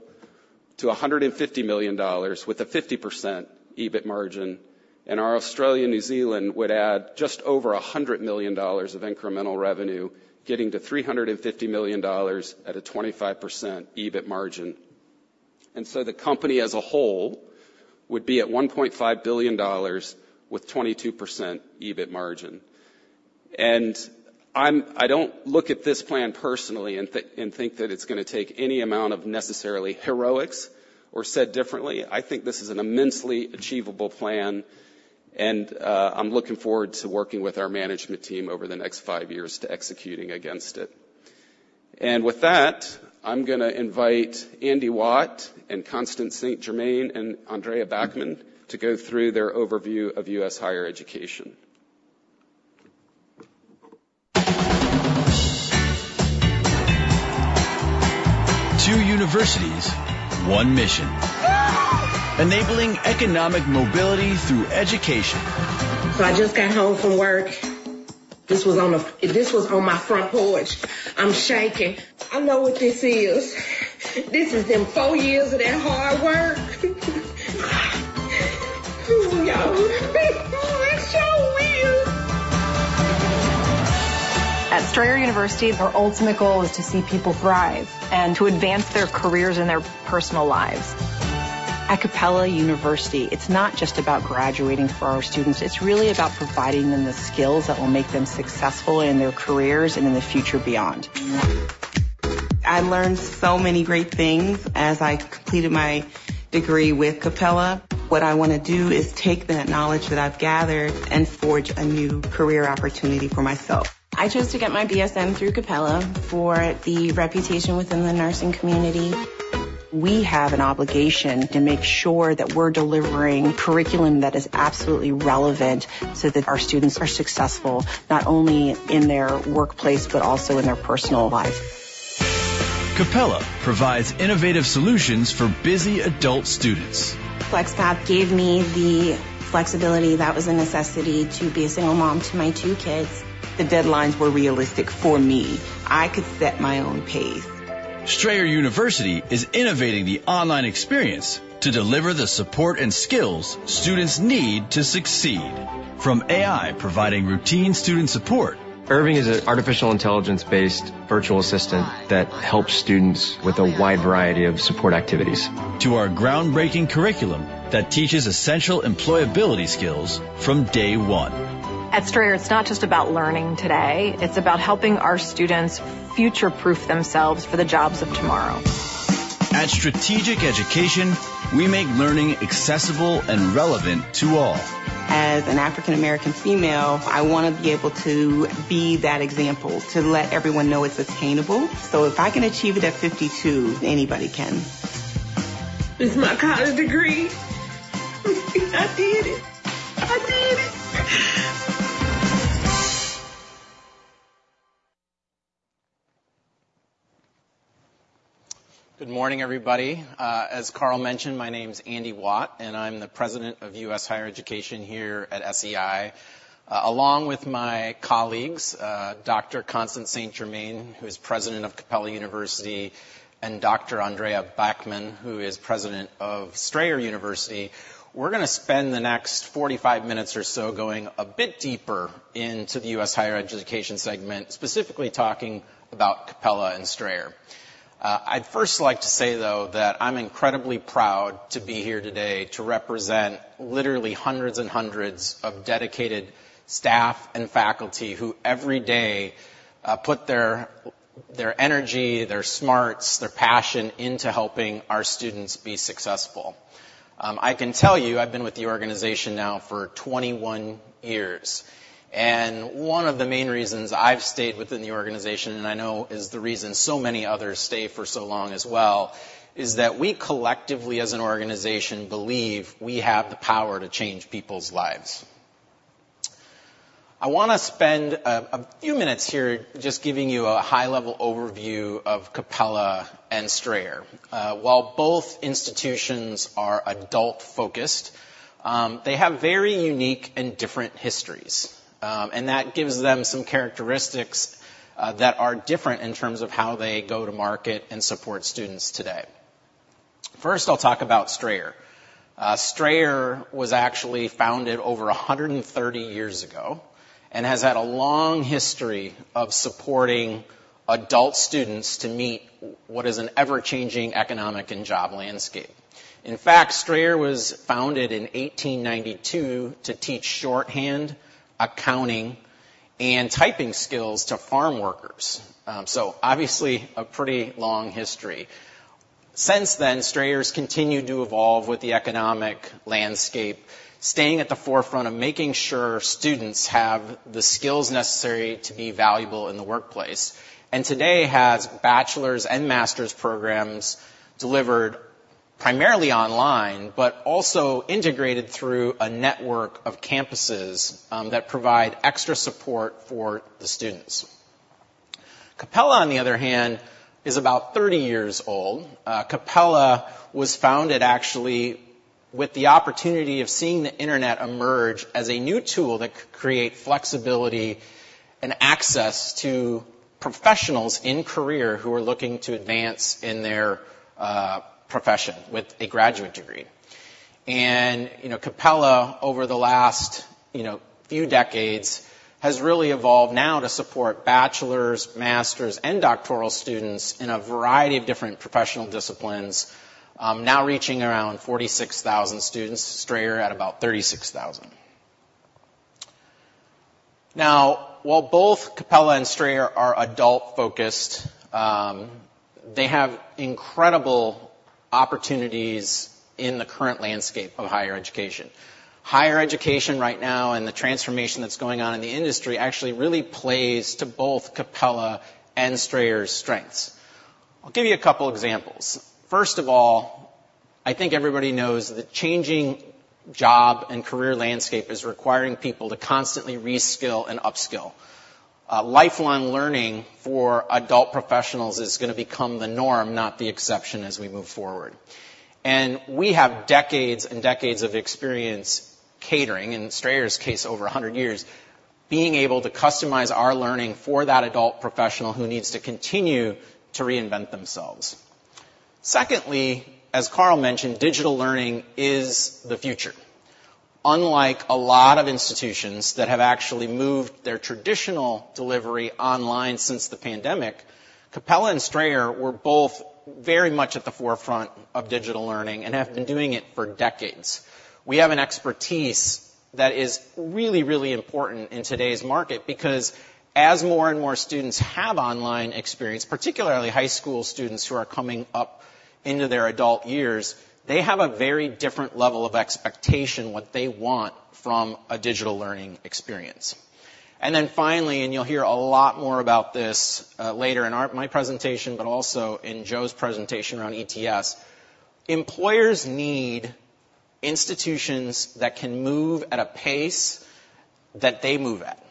to $150 million with a 50% EBIT margin, and our Australia, New Zealand would add just over $100 million of incremental revenue, getting to $350 million at a 25% EBIT margin. So the company as a whole would be at $1.5 billion with 22% EBIT margin. And I'm—I don't look at this plan personally and and think that it's gonna take any amount of necessarily heroics, or said differently, I think this is an immensely achievable plan, and I'm looking forward to working with our management team over the next five years to executing against it. And with that, I'm gonna invite Andy Watt and Constance St. Germain and Andrea Backman to go through their overview of U.S. higher education. ... Two universities, one mission: enabling economic mobility through education. So I just got home from work. This was on the, this was on my front porch. I'm shaking. I know what this is. This is them four years of that hard work. Oh, it's so real! At Strayer University, our ultimate goal is to see people thrive and to advance their careers and their personal lives. At Capella University, it's not just about graduating for our students, it's really about providing them the skills that will make them successful in their careers and in the future beyond. I learned so many great things as I completed my degree with Capella. What I want to do is take that knowledge that I've gathered and forge a new career opportunity for myself. I chose to get my BSN through Capella for the reputation within the nursing community. We have an obligation to make sure that we're delivering curriculum that is absolutely relevant, so that our students are successful, not only in their workplace, but also in their personal life. Capella provides innovative solutions for busy adult students. FlexPath gave me the flexibility that was a necessity to be a single mom to my two kids. The deadlines were realistic for me. I could set my own pace. Strayer University is innovating the online experience to deliver the support and skills students need to succeed. From AI providing routine student support- Irving is an artificial intelligence-based virtual assistant that helps students with a wide variety of support activities. To our groundbreaking curriculum that teaches essential employability skills from day one. At Strayer, it's not just about learning today, it's about helping our students future-proof themselves for the jobs of tomorrow. At Strategic Education, we make learning accessible and relevant to all. As an African American female, I want to be able to be that example, to let everyone know it's attainable. So if I can achieve it at 52, anybody can. It's my college degree. I did it. I did it! Good morning, everybody. As Karl mentioned, my name is Andy Watt, and I'm the president of US Higher Education here at SEI. Along with my colleagues, Dr. Constance St. Germain, who is President of Capella University, and Dr. Andrea Backman, who is President of Strayer University, we're gonna spend the next 45 minutes or so going a bit deeper into the U.S. higher education segment, specifically talking about Capella and Strayer. I'd first like to say, though, that I'm incredibly proud to be here today to represent literally hundreds and hundreds of dedicated staff and faculty who every day put their energy, their smarts, their passion into helping our students be successful. I can tell you, I've been with the organization now for 21 years, and one of the main reasons I've stayed within the organization, and I know is the reason so many others stay for so long as well, is that we collectively as an organization, believe we have the power to change people's lives. I want to spend a few minutes here just giving you a high-level overview of Capella and Strayer. While both institutions are adult-focused, they have very unique and different histories, and that gives them some characteristics that are different in terms of how they go to market and support students today. First, I'll talk about Strayer. Strayer was actually founded over 130 years ago and has had a long history of supporting adult students to meet what is an ever-changing economic and job landscape. In fact, Strayer was founded in 1892 to teach shorthand, accounting, and typing skills to farm workers. So obviously, a pretty long history. Since then, Strayer's continued to evolve with the economic landscape, staying at the forefront of making sure students have the skills necessary to be valuable in the workplace, and today has bachelor's and master's programs delivered primarily online, but also integrated through a network of campuses that provide extra support for the students. Capella, on the other hand, is about 30 years old. Capella was founded actually with the opportunity of seeing the internet emerge as a new tool that could create flexibility and access to professionals in career who are looking to advance in their profession with a graduate degree. You know, Capella, over the last, you know, few decades, has really evolved now to support bachelor's, master's, and doctoral students in a variety of different professional disciplines, now reaching around 46,000 students. Strayer at about 36,000. Now, while both Capella and Strayer are adult-focused, they have incredible opportunities in the current landscape of higher education. Higher education right now and the transformation that's going on in the industry actually really plays to both Capella and Strayer's strengths. I'll give you a couple examples. First of all, I think everybody knows that changing job and career landscape is requiring people to constantly reskill and upskill. Lifelong learning for adult professionals is going to become the norm, not the exception, as we move forward. We have decades and decades of experience catering, in Strayer's case, over 100 years, being able to customize our learning for that adult professional who needs to continue to reinvent themselves. Secondly, as Karl mentioned, digital learning is the future. Unlike a lot of institutions that have actually moved their traditional delivery online since the pandemic, Capella and Strayer were both very much at the forefront of digital learning and have been doing it for decades. We have an expertise that is really, really important in today's market because as more and more students have online experience, particularly high school students who are coming up into their adult years, they have a very different level of expectation, what they want from a digital learning experience. Finally, you'll hear a lot more about this later in my presentation, but also in Joe's presentation around ETS. Employers need institutions that can move at a pace that they move at.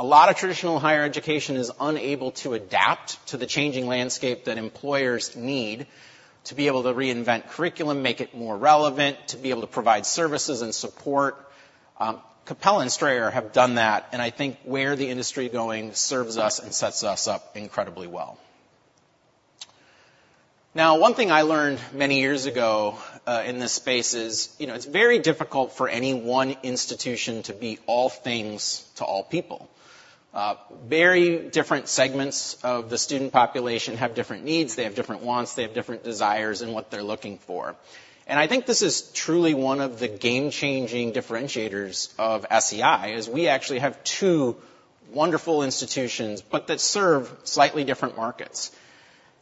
A lot of traditional higher education is unable to adapt to the changing landscape that employers need to be able to reinvent curriculum, make it more relevant, to be able to provide services and support. Capella and Strayer have done that, and I think where the industry is going serves us and sets us up incredibly well. Now, one thing I learned many years ago in this space is, you know, it's very difficult for any one institution to be all things to all people. Very different segments of the student population have different needs, they have different wants, they have different desires in what they're looking for. I think this is truly one of the game-changing differentiators of SEI: we actually have two wonderful institutions, but that serve slightly different markets.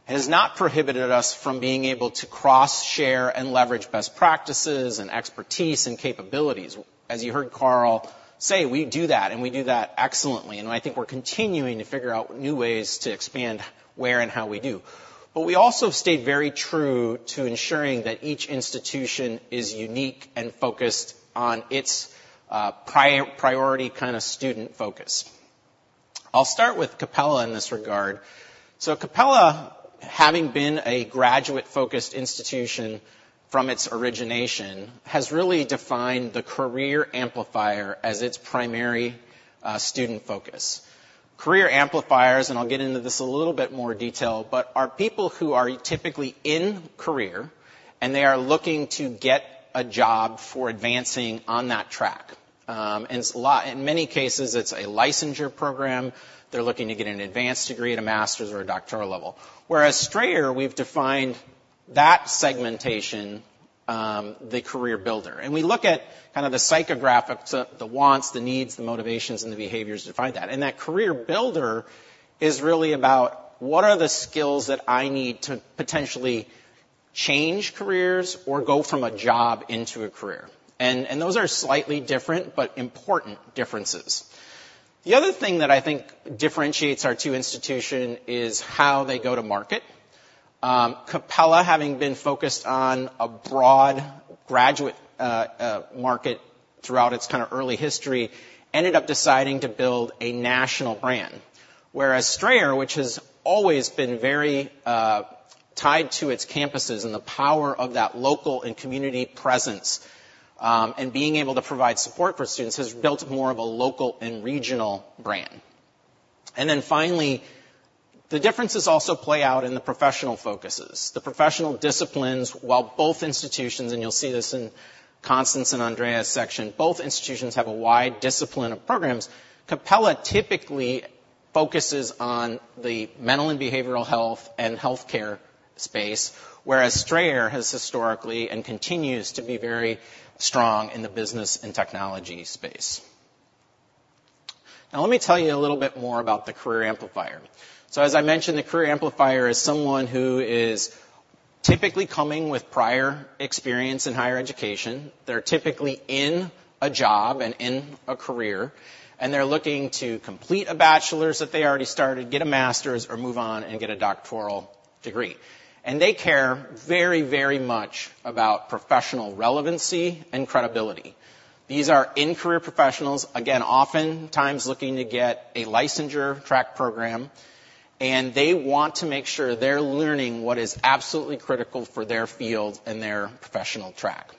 It has not prohibited us from being able to cross-share and leverage best practices and expertise and capabilities. As you heard Karl say, we do that, and we do that excellently, and I think we're continuing to figure out new ways to expand where and how we do. But we also stay very true to ensuring that each institution is unique and focused on its priority, kind of student focus. I'll start with Capella in this regard. Capella, having been a graduate-focused institution from its origination, has really defined the career amplifier as its primary student focus. Career amplifiers, and I'll get into this a little bit more detail, but are people who are typically in career and they are looking to get a job for advancing on that track. And it's a lot—in many cases, it's a licensure program. They're looking to get an advanced degree at a master's or a doctoral level, whereas Strayer, we've defined that segmentation, the career builder. And we look at kind of the psychographics, the wants, the needs, the motivations, and the behaviors to find that. And that career builder is really about what are the skills that I need to potentially change careers or go from a job into a career? And those are slightly different, but important differences. The other thing that I think differentiates our two institutions is how they go to market. Capella, having been focused on a broad graduate market throughout its kind of early history, ended up deciding to build a national brand, whereas Strayer, which has always been very tied to its campuses and the power of that local and community presence, and being able to provide support for students, has built more of a local and regional brand. Then finally, the differences also play out in the professional focuses, the professional disciplines, while both institutions, and you'll see this in Constance and Andrea's section, both institutions have a wide discipline of programs. Capella typically focuses on the mental and behavioral health and healthcare space, whereas Strayer has historically and continues to be very strong in the business and technology space. Now, let me tell you a little bit more about the career amplifier. So as I mentioned, the career amplifier is someone who is typically coming with prior experience in higher education. They're typically in a job and in a career, and they're looking to complete a bachelor's that they already started, get a master's, or move on and get a doctoral degree. And they care very, very much about professional relevancy and credibility. These are in-career professionals, again, oftentimes looking to get a licensure track program, and they want to make sure they're learning what is absolutely critical for their field and their professional track.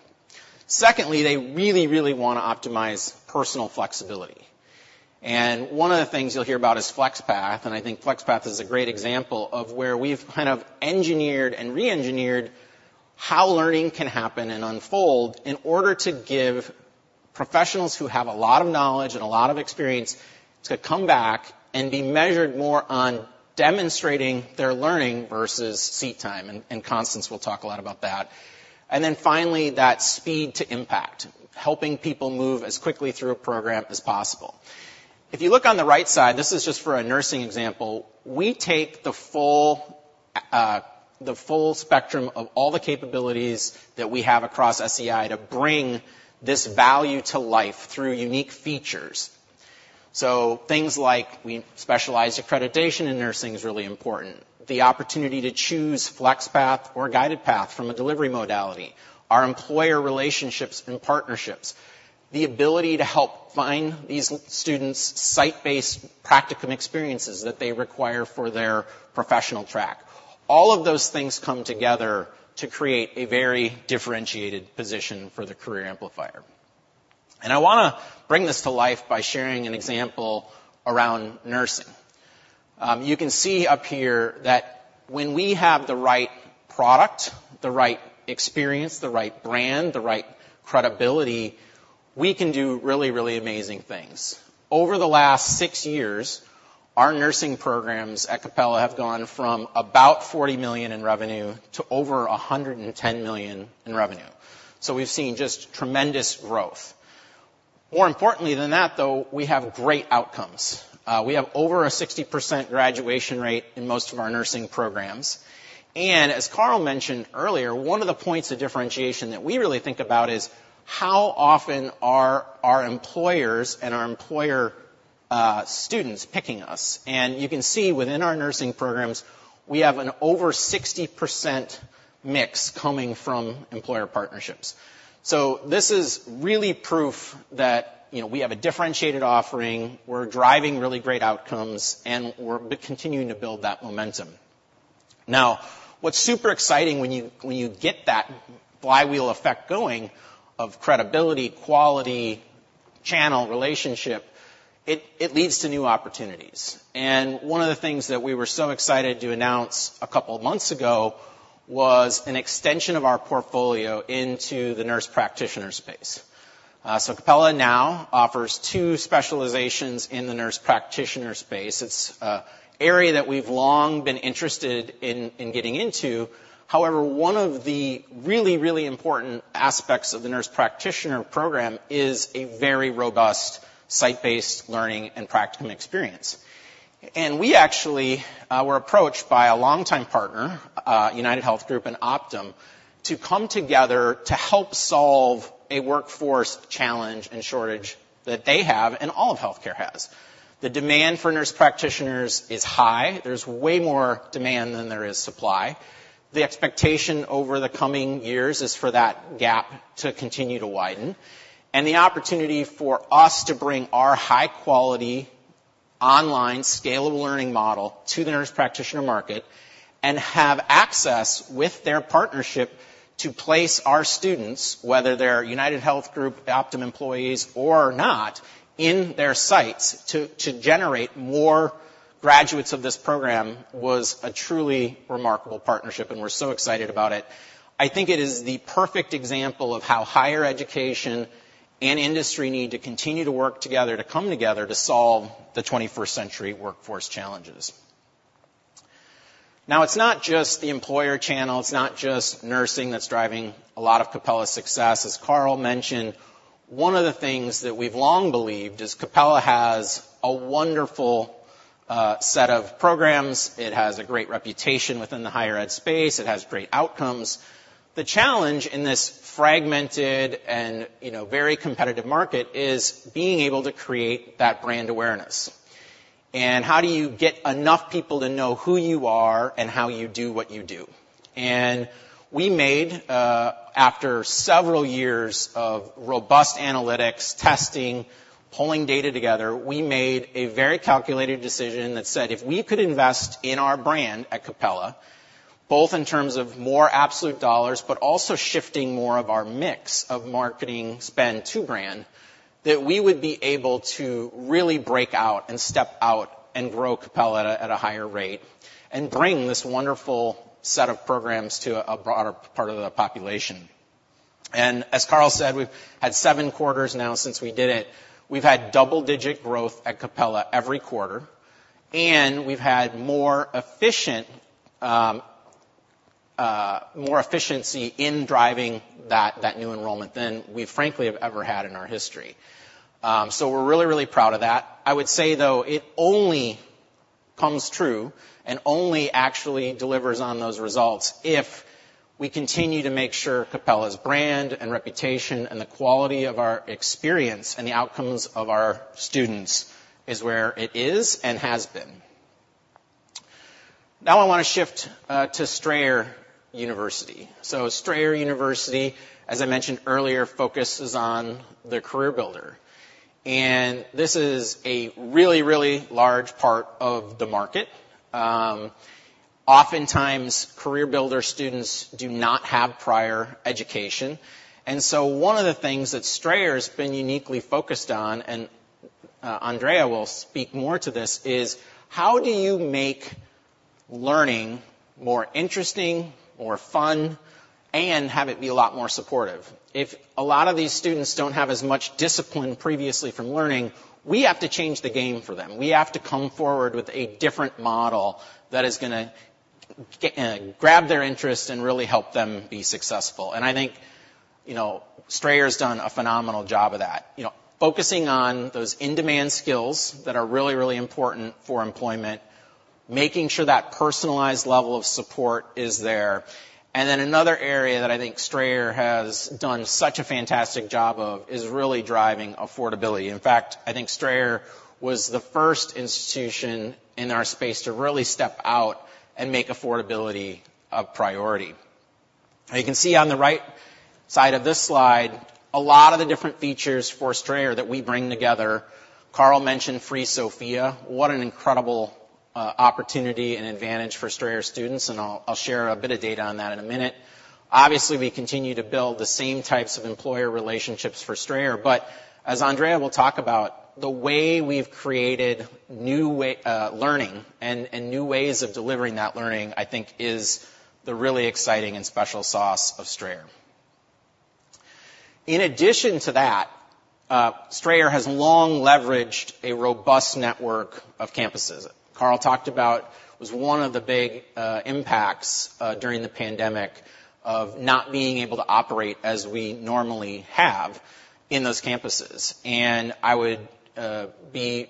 Secondly, they really, really want to optimize personal flexibility. And one of the things you'll hear about is FlexPath, and I think FlexPath is a great example of where we've kind of engineered and reengineered how learning can happen and unfold in order to give professionals who have a lot of knowledge and a lot of experience to come back and be measured more on demonstrating their learning versus seat time, and Constance will talk a lot about that. And then finally, that speed to impact, helping people move as quickly through a program as possible. If you look on the right side, this is just for a nursing example, we take the full, the full spectrum of all the capabilities that we have across SEI to bring this value to life through unique features. So things like our specialized accreditation in nursing is really important. The opportunity to choose FlexPath or GuidedPath from a delivery modality, our employer relationships and partnerships, the ability to help find these students site-based practicum experiences that they require for their professional track. All of those things come together to create a very differentiated position for the career amplifier. I want to bring this to life by sharing an example around nursing. You can see up here that when we have the right product, the right experience, the right brand, the right credibility, we can do really, really amazing things. Over the last six years, our nursing programs at Capella have gone from about $40 million in revenue to over $110 million in revenue. So we've seen just tremendous growth. More importantly than that, though, we have great outcomes. We have over a 60% graduation rate in most of our nursing programs. As Karl mentioned earlier, one of the points of differentiation that we really think about is how often are our employers and our employer students picking us? You can see within our nursing programs, we have an over 60% mix coming from employer partnerships. This is really proof that, you know, we have a differentiated offering, we're driving really great outcomes, and we're continuing to build that momentum. Now, what's super exciting when you get that flywheel effect going of credibility, quality, channel, relationship, it leads to new opportunities. One of the things that we were so excited to announce a couple of months ago was an extension of our portfolio into the nurse practitioner space. So Capella now offers two specializations in the nurse practitioner space. It's an area that we've long been interested in, in getting into. However, one of the really, really important aspects of the nurse practitioner program is a very robust, site-based learning and practicum experience. And we actually were approached by a longtime partner, UnitedHealth Group and Optum, to come together to help solve a workforce challenge and shortage that they have and all of healthcare has. The demand for nurse practitioners is high. There's way more demand than there is supply. The expectation over the coming years is for that gap to continue to widen, and the opportunity for us to bring our high-quality, online, scalable learning model to the nurse practitioner market and have access with their partnership to place our students, whether they're UnitedHealth Group, Optum employees or not, in their sites to generate more graduates of this program, was a truly remarkable partnership, and we're so excited about it. I think it is the perfect example of how higher education and industry need to continue to work together, to come together to solve the twenty-first century workforce challenges. Now, it's not just the employer channel, it's not just nursing that's driving a lot of Capella's success. As Karl mentioned, one of the things that we've long believed is Capella has a wonderful set of programs. It has a great reputation within the higher ed space. It has great outcomes. The challenge in this fragmented and, you know, very competitive market is being able to create that brand awareness. And how do you get enough people to know who you are and how you do what you do? And we made, after several years of robust analytics, testing, pulling data together, we made a very calculated decision that said, if we could invest in our brand at Capella, both in terms of more absolute dollars, but also shifting more of our mix of marketing spend to brand, that we would be able to really break out and step out and grow Capella at a, at a higher rate and bring this wonderful set of programs to a broader part of the population. And as Karl said, we've had seven quarters now since we did it. We've had double-digit growth at Capella every quarter, and we've had more efficient, more efficiency in driving that new enrollment than we frankly have ever had in our history. So we're really, really proud of that. I would say, though, it only comes true and only actually delivers on those results if we continue to make sure Capella's brand and reputation and the quality of our experience and the outcomes of our students is where it is and has been. Now I want to shift to Strayer University. So Strayer University, as I mentioned earlier, focuses on the career builder, and this is a really, really large part of the market. Oftentimes, career builder students do not have prior education, and so one of the things that Strayer has been uniquely focused on, and Andrea will speak more to this, is: How do you make learning more interesting, more fun, and have it be a lot more supportive? If a lot of these students don't have as much discipline previously from learning, we have to change the game for them. We have to come forward with a different model that is gonna grab their interest and really help them be successful. And I think, you know, Strayer's done a phenomenal job of that. You know, focusing on those in-demand skills that are really, really important for employment... making sure that personalized level of support is there. And then another area that I think Strayer has done such a fantastic job of is really driving affordability. In fact, I think Strayer was the first institution in our space to really step out and make affordability a priority. Now, you can see on the right side of this slide, a lot of the different features for Strayer that we bring together. Karl mentioned free Sophia. What an incredible opportunity and advantage for Strayer students, and I'll, I'll share a bit of data on that in a minute. Obviously, we continue to build the same types of employer relationships for Strayer, but as Andrea will talk about, the way we've created new way, learning and, and new ways of delivering that learning, I think is the really exciting and special sauce of Strayer. In addition to that, Strayer has long leveraged a robust network of campuses. Karl talked about was one of the big impacts during the pandemic of not being able to operate as we normally have in those campuses. I would be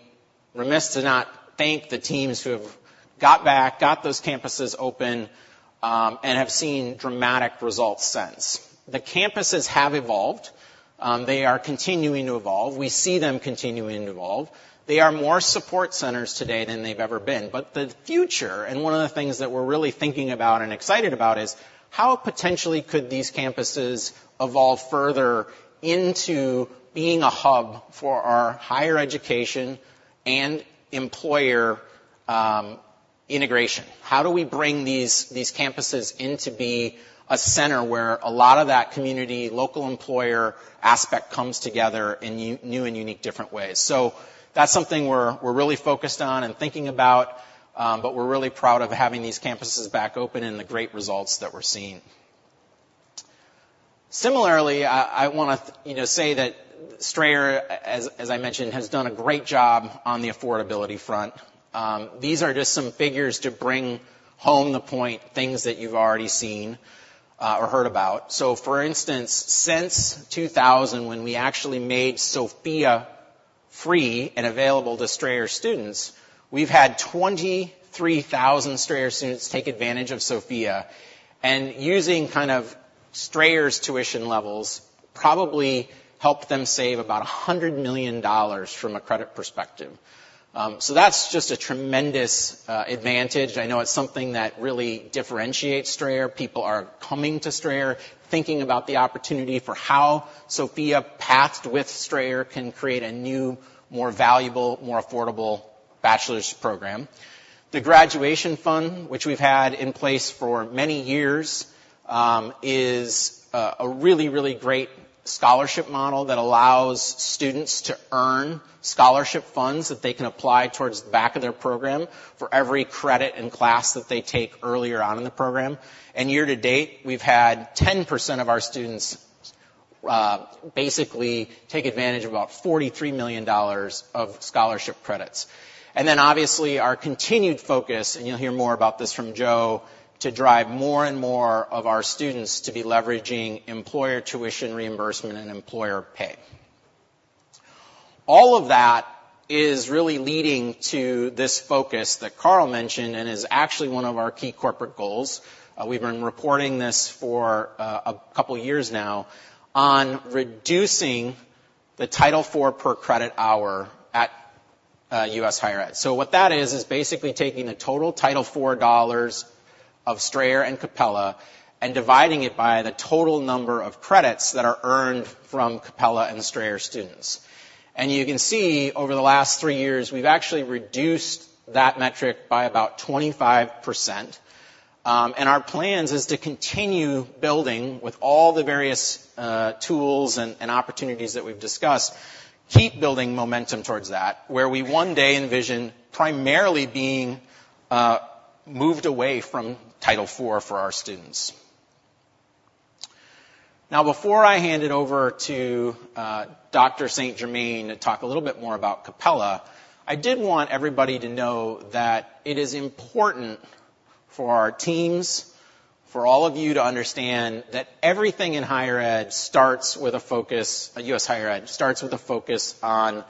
remiss to not thank the teams who have got back, got those campuses open, and have seen dramatic results since. The campuses have evolved, they are continuing to evolve. We see them continuing to evolve. They are more support centers today than they've ever been. But the future, and one of the things that we're really thinking about and excited about, is how potentially could these campuses evolve further into being a hub for our higher education and employer integration? How do we bring these, these campuses in to be a center where a lot of that community, local employer aspect comes together in new and unique different ways? So that's something we're really focused on and thinking about, but we're really proud of having these campuses back open and the great results that we're seeing. Similarly, I wanna you know, say that Strayer, as I mentioned, has done a great job on the affordability front. These are just some figures to bring home the point, things that you've already seen or heard about. So for instance, since 2000, when we actually made Sophia free and available to Strayer students, we've had 23,000 Strayer students take advantage of Sophia, and using kind of Strayer's tuition levels, probably helped them save about $100 million from a credit perspective. So that's just a tremendous advantage. I know it's something that really differentiates Strayer. People are coming to Strayer, thinking about the opportunity for how Sophia, patched with Strayer, can create a new, more valuable, more affordable bachelor's program. The Graduation Fund, which we've had in place for many years, is a really, really great scholarship model that allows students to earn scholarship funds that they can apply towards the back of their program for every credit and class that they take earlier on in the program. And year to date, we've had 10% of our students basically take advantage of about $43 million of scholarship credits. And then, obviously, our continued focus, and you'll hear more about this from Joe, to drive more and more of our students to be leveraging employer tuition reimbursement and employer pay. All of that is really leading to this focus that Karl mentioned and is actually one of our key corporate goals. We've been reporting this for a couple of years now on reducing the Title IV per credit hour at U.S. Higher Ed. So what that is, is basically taking the total Title IV dollars of Strayer and Capella and dividing it by the total number of credits that are earned from Capella and Strayer students. And you can see over the last three years, we've actually reduced that metric by about 25%. And our plans is to continue building with all the various tools and opportunities that we've discussed, keep building momentum towards that, where we one day envision primarily being moved away from Title IV for our students. Now, before I hand it over to Dr. St. Germain to talk a little bit more about Capella. I did want everybody to know that it is important for our teams, for all of you, to understand that everything in higher ed starts with a focus... U.S. Higher Ed starts with a focus on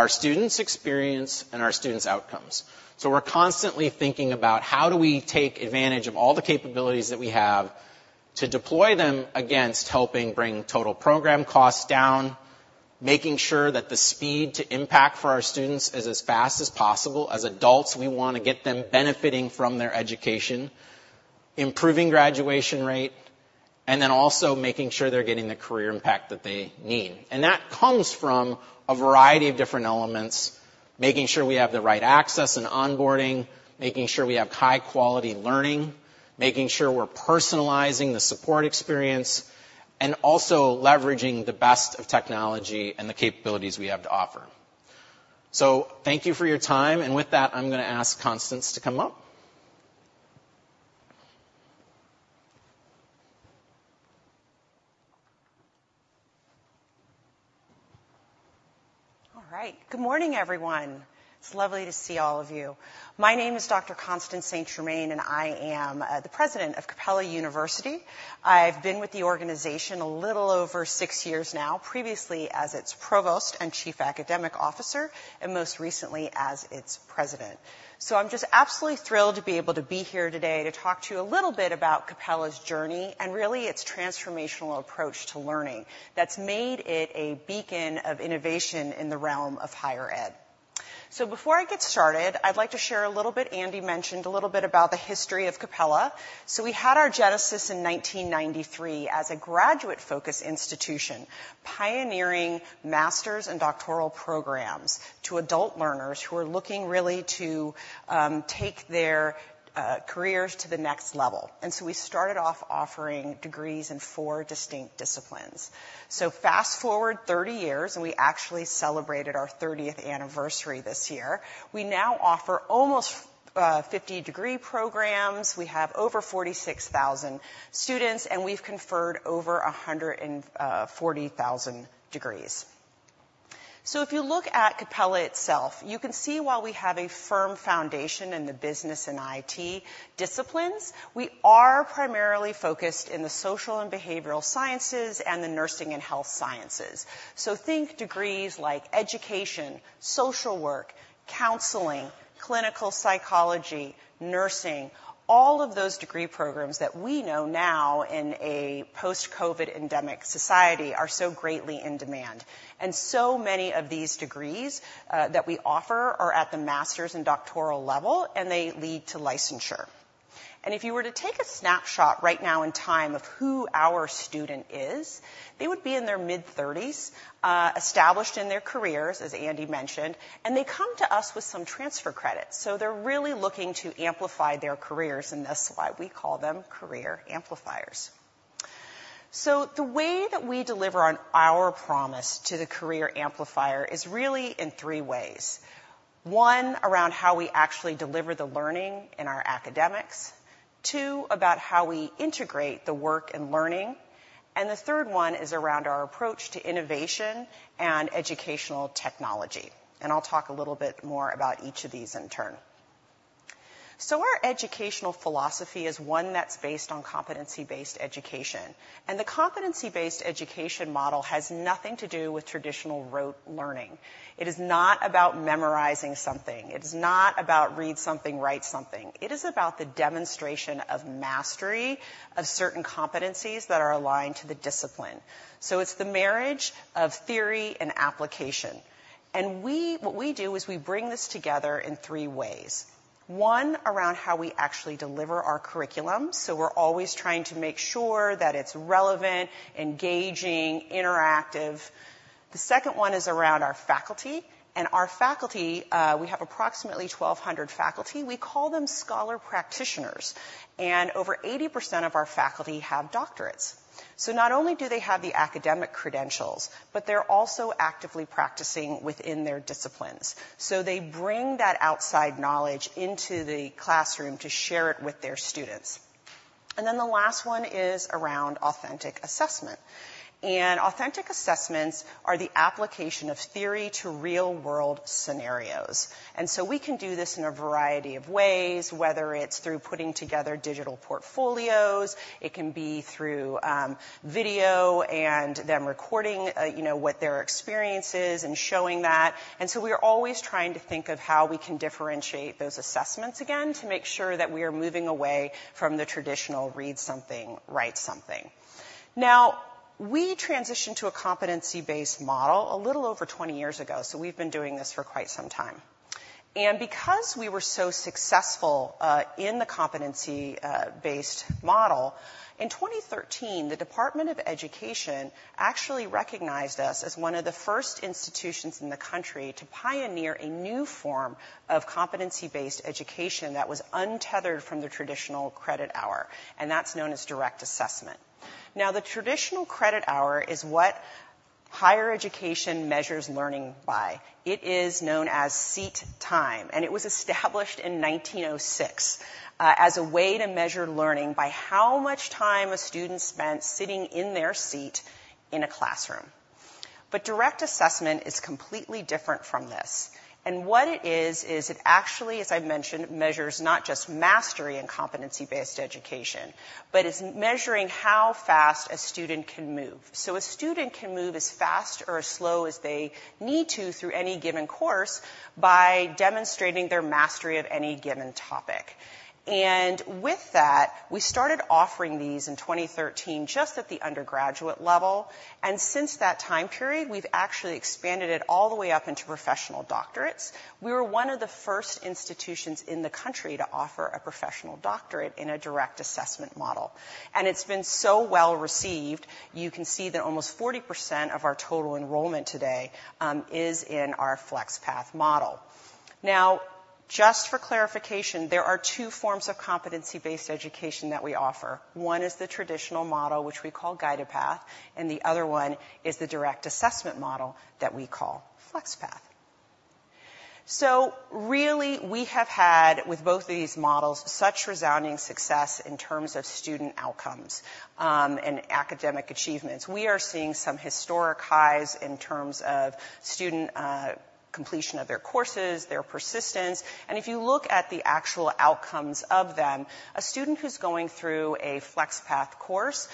our students' experience and our students' outcomes. So we're constantly thinking about how do we take advantage of all the capabilities that we have to deploy them against helping bring total program costs down, making sure that the speed to impact for our students is as fast as possible. As adults, we wanna get them benefiting from their education, improving graduation rate, and then also making sure they're getting the career impact that they need. That comes from a variety of different elements: making sure we have the right access and onboarding, making sure we have high-quality learning, making sure we're personalizing the support experience, and also leveraging the best of technology and the capabilities we have to offer. Thank you for your time, and with that, I'm gonna ask Constance to come up. ... All right. Good morning, everyone. It's lovely to see all of you. My name is Dr. Constance St. Germain, and I am the president of Capella University. I've been with the organization a little over six years now, previously as its provost and chief academic officer, and most recently as its president. So I'm just absolutely thrilled to be able to be here today to talk to you a little bit about Capella's journey and really its transformational approach to learning, that's made it a beacon of innovation in the realm of higher ed. So before I get started, I'd like to share a little bit, Andy mentioned a little bit about the history of Capella. So we had our genesis in 1993 as a graduate-focused institution, pioneering master's and doctoral programs to adult learners who are looking really to take their careers to the next level. And so we started off offering degrees in four distinct disciplines. So fast forward 30 years, and we actually celebrated our 30th anniversary this year. We now offer almost 50 degree programs. We have over 46,000 students, and we've conferred over 140,000 degrees. So if you look at Capella itself, you can see while we have a firm foundation in the business and IT disciplines, we are primarily focused in the social and behavioral sciences and the nursing and health sciences. So think degrees like education, social work, counseling, clinical psychology, nursing, all of those degree programs that we know now in a post-COVID endemic society are so greatly in demand, and so many of these degrees that we offer are at the master's and doctoral level, and they lead to licensure. And if you were to take a snapshot right now in time of who our student is, they would be in their mid-30s, established in their careers, as Andy mentioned, and they come to us with some transfer credit. So they're really looking to amplify their careers, and that's why we call them career amplifiers. So the way that we deliver on our promise to the career amplifier is really in three ways: one, around how we actually deliver the learning in our academics. Two, about how we integrate the work and learning, and the third one is around our approach to innovation and educational technology. I'll talk a little bit more about each of these in turn. Our educational philosophy is one that's based on competency-based education, and the competency-based education model has nothing to do with traditional rote learning. It is not about memorizing something. It is not about read something, write something. It is about the demonstration of mastery of certain competencies that are aligned to the discipline. It's the marriage of theory and application, and we what we do is we bring this together in three ways. One, around how we actually deliver our curriculum, so we're always trying to make sure that it's relevant, engaging, interactive. The second one is around our faculty, and our faculty, we have approximately 1,200 faculty. We call them scholar practitioners, and over 80% of our faculty have doctorates. So not only do they have the academic credentials, but they're also actively practicing within their disciplines. So they bring that outside knowledge into the classroom to share it with their students. And then the last one is around authentic assessment, and authentic assessments are the application of theory to real-world scenarios. And so we can do this in a variety of ways, whether it's through putting together digital portfolios, it can be through video and them recording, you know, what their experience is and showing that. And so we are always trying to think of how we can differentiate those assessments again, to make sure that we are moving away from the traditional read something, write something. Now, we transitioned to a competency-based model a little over 20 years ago, so we've been doing this for quite some time. Because we were so successful in the competency-based model, in 2013, the Department of Education actually recognized us as one of the first institutions in the country to pioneer a new form of competency-based education that was untethered from the traditional credit hour, and that's known as direct assessment. Now, the traditional credit hour is what higher education measures learning by. It is known as seat time, and it was established in 1906 as a way to measure learning by how much time a student spent sitting in their seat in a classroom. But direct assessment is completely different from this. And what it is is it actually, as I've mentioned, measures not just mastery in competency-based education, but it's measuring how fast a student can move. So a student can move as fast or as slow as they need to through any given course by demonstrating their mastery of any given topic. And with that, we started offering these in 2013, just at the undergraduate level, and since that time period, we've actually expanded it all the way up into professional doctorates. We were one of the first institutions in the country to offer a professional doctorate in a direct assessment model, and it's been so well-received. You can see that almost 40% of our total enrollment today is in our FlexPath model. Now, just for clarification, there are two forms of competency-based education that we offer. One is the traditional model, which we call GuidedPath, and the other one is the direct assessment model that we call FlexPath. So really, we have had, with both of these models, such resounding success in terms of student outcomes and academic achievements. We are seeing some historic highs in terms of student completion of their courses, their persistence. And if you look at the actual outcomes of them, a student who's going through a FlexPath course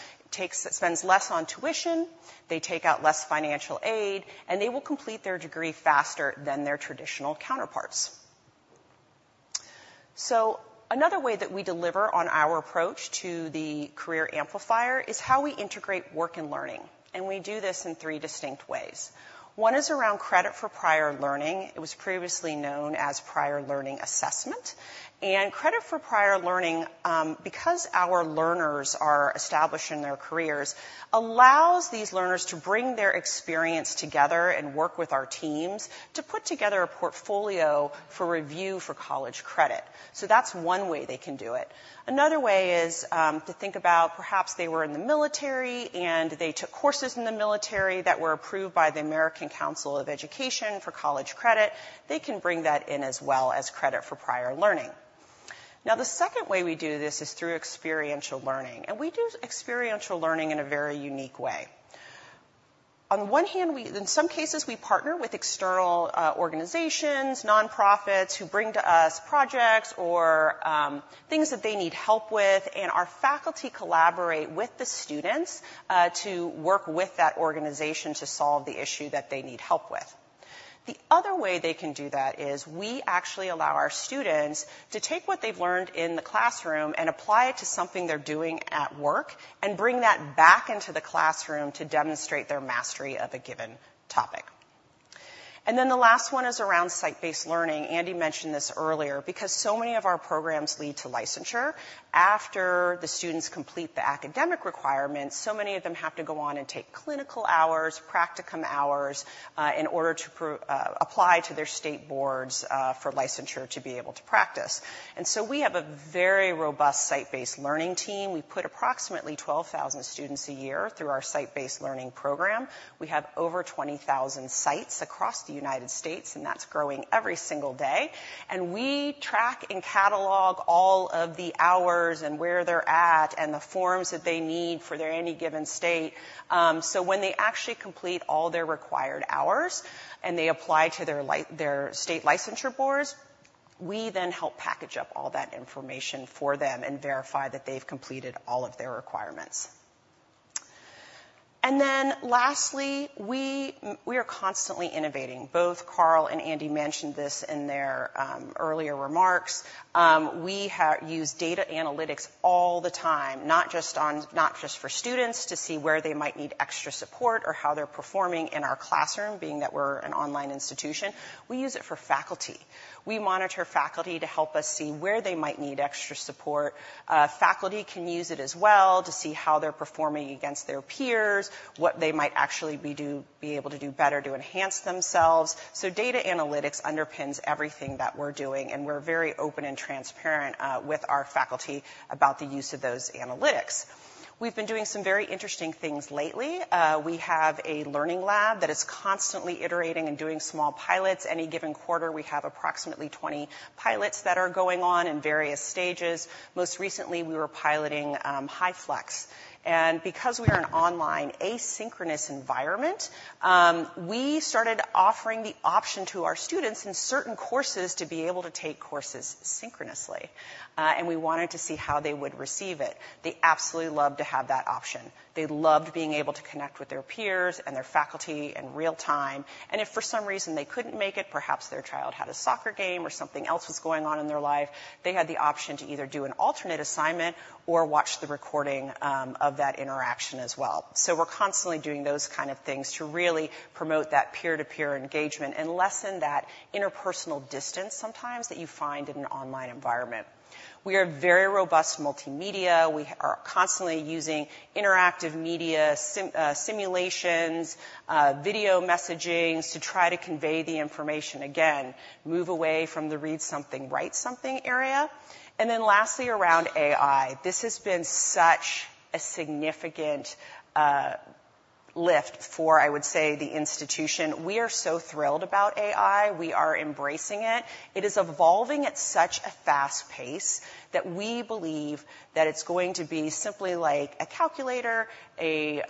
spends less on tuition, they take out less financial aid, and they will complete their degree faster than their traditional counterparts. So another way that we deliver on our approach to the career amplifier is how we integrate work and learning, and we do this in three distinct ways. One is around credit for prior learning. It was previously known as Prior Learning Assessment. Credit for prior learning, because our learners are established in their careers, allows these learners to bring their experience together and work with our teams to put together a portfolio for review for college credit. So that's one way they can do it. Another way is to think about perhaps they were in the military, and they took courses in the military that were approved by the American Council on Education for college credit. They can bring that in as well as credit for prior learning. Now, the second way we do this is through experiential learning, and we do experiential learning in a very unique way. On one hand, we in some cases partner with external organizations, nonprofits who bring to us projects or things that they need help with, and our faculty collaborate with the students to work with that organization to solve the issue that they need help with. The other way they can do that is we actually allow our students to take what they've learned in the classroom and apply it to something they're doing at work and bring that back into the classroom to demonstrate their mastery of a given topic. And then the last one is around site-based learning. Andy mentioned this earlier. Because so many of our programs lead to licensure, after the students complete the academic requirements, so many of them have to go on and take clinical hours, practicum hours, in order to apply to their state boards, for licensure to be able to practice. And so we have a very robust site-based learning team. We put approximately 12,000 students a year through our site-based learning program. We have over 20,000 sites across the United States, and that's growing every single day, and we track and catalog all of the hours and where they're at and the forms that they need for their any given state. So when they actually complete all their required hours and they apply to their state licensure boards, we then help package up all that information for them and verify that they've completed all of their requirements. Then lastly, we are constantly innovating. Both Karl and Andy mentioned this in their earlier remarks. We use data analytics all the time, not just for students to see where they might need extra support or how they're performing in our classroom. Being that we're an online institution, we use it for faculty. We monitor faculty to help us see where they might need extra support. Faculty can use it as well to see how they're performing against their peers, what they might actually be able to do better to enhance themselves. So data analytics underpins everything that we're doing, and we're very open and transparent with our faculty about the use of those analytics. We've been doing some very interesting things lately. We have a learning lab that is constantly iterating and doing small pilots. Any given quarter, we have approximately 20 pilots that are going on in various stages. Most recently, we were piloting HyFlex, and because we are an online asynchronous environment, we started offering the option to our students in certain courses to be able to take courses synchronously, and we wanted to see how they would receive it. They absolutely loved to have that option. They loved being able to connect with their peers and their faculty in real time, and if for some reason they couldn't make it, perhaps their child had a soccer game or something else was going on in their life, they had the option to either do an alternate assignment or watch the recording of that interaction as well. So we're constantly doing those kind of things to really promote that peer-to-peer engagement and lessen that interpersonal distance sometimes that you find in an online environment. We are very robust multimedia. We are constantly using interactive media, simulations, video messaging to try to convey the information. Again, move away from the read something, write something area. And then lastly, around AI. This has been such a significant lift for, I would say, the institution. We are so thrilled about AI. We are embracing it. It is evolving at such a fast pace that we believe that it's going to be simply like a calculator, a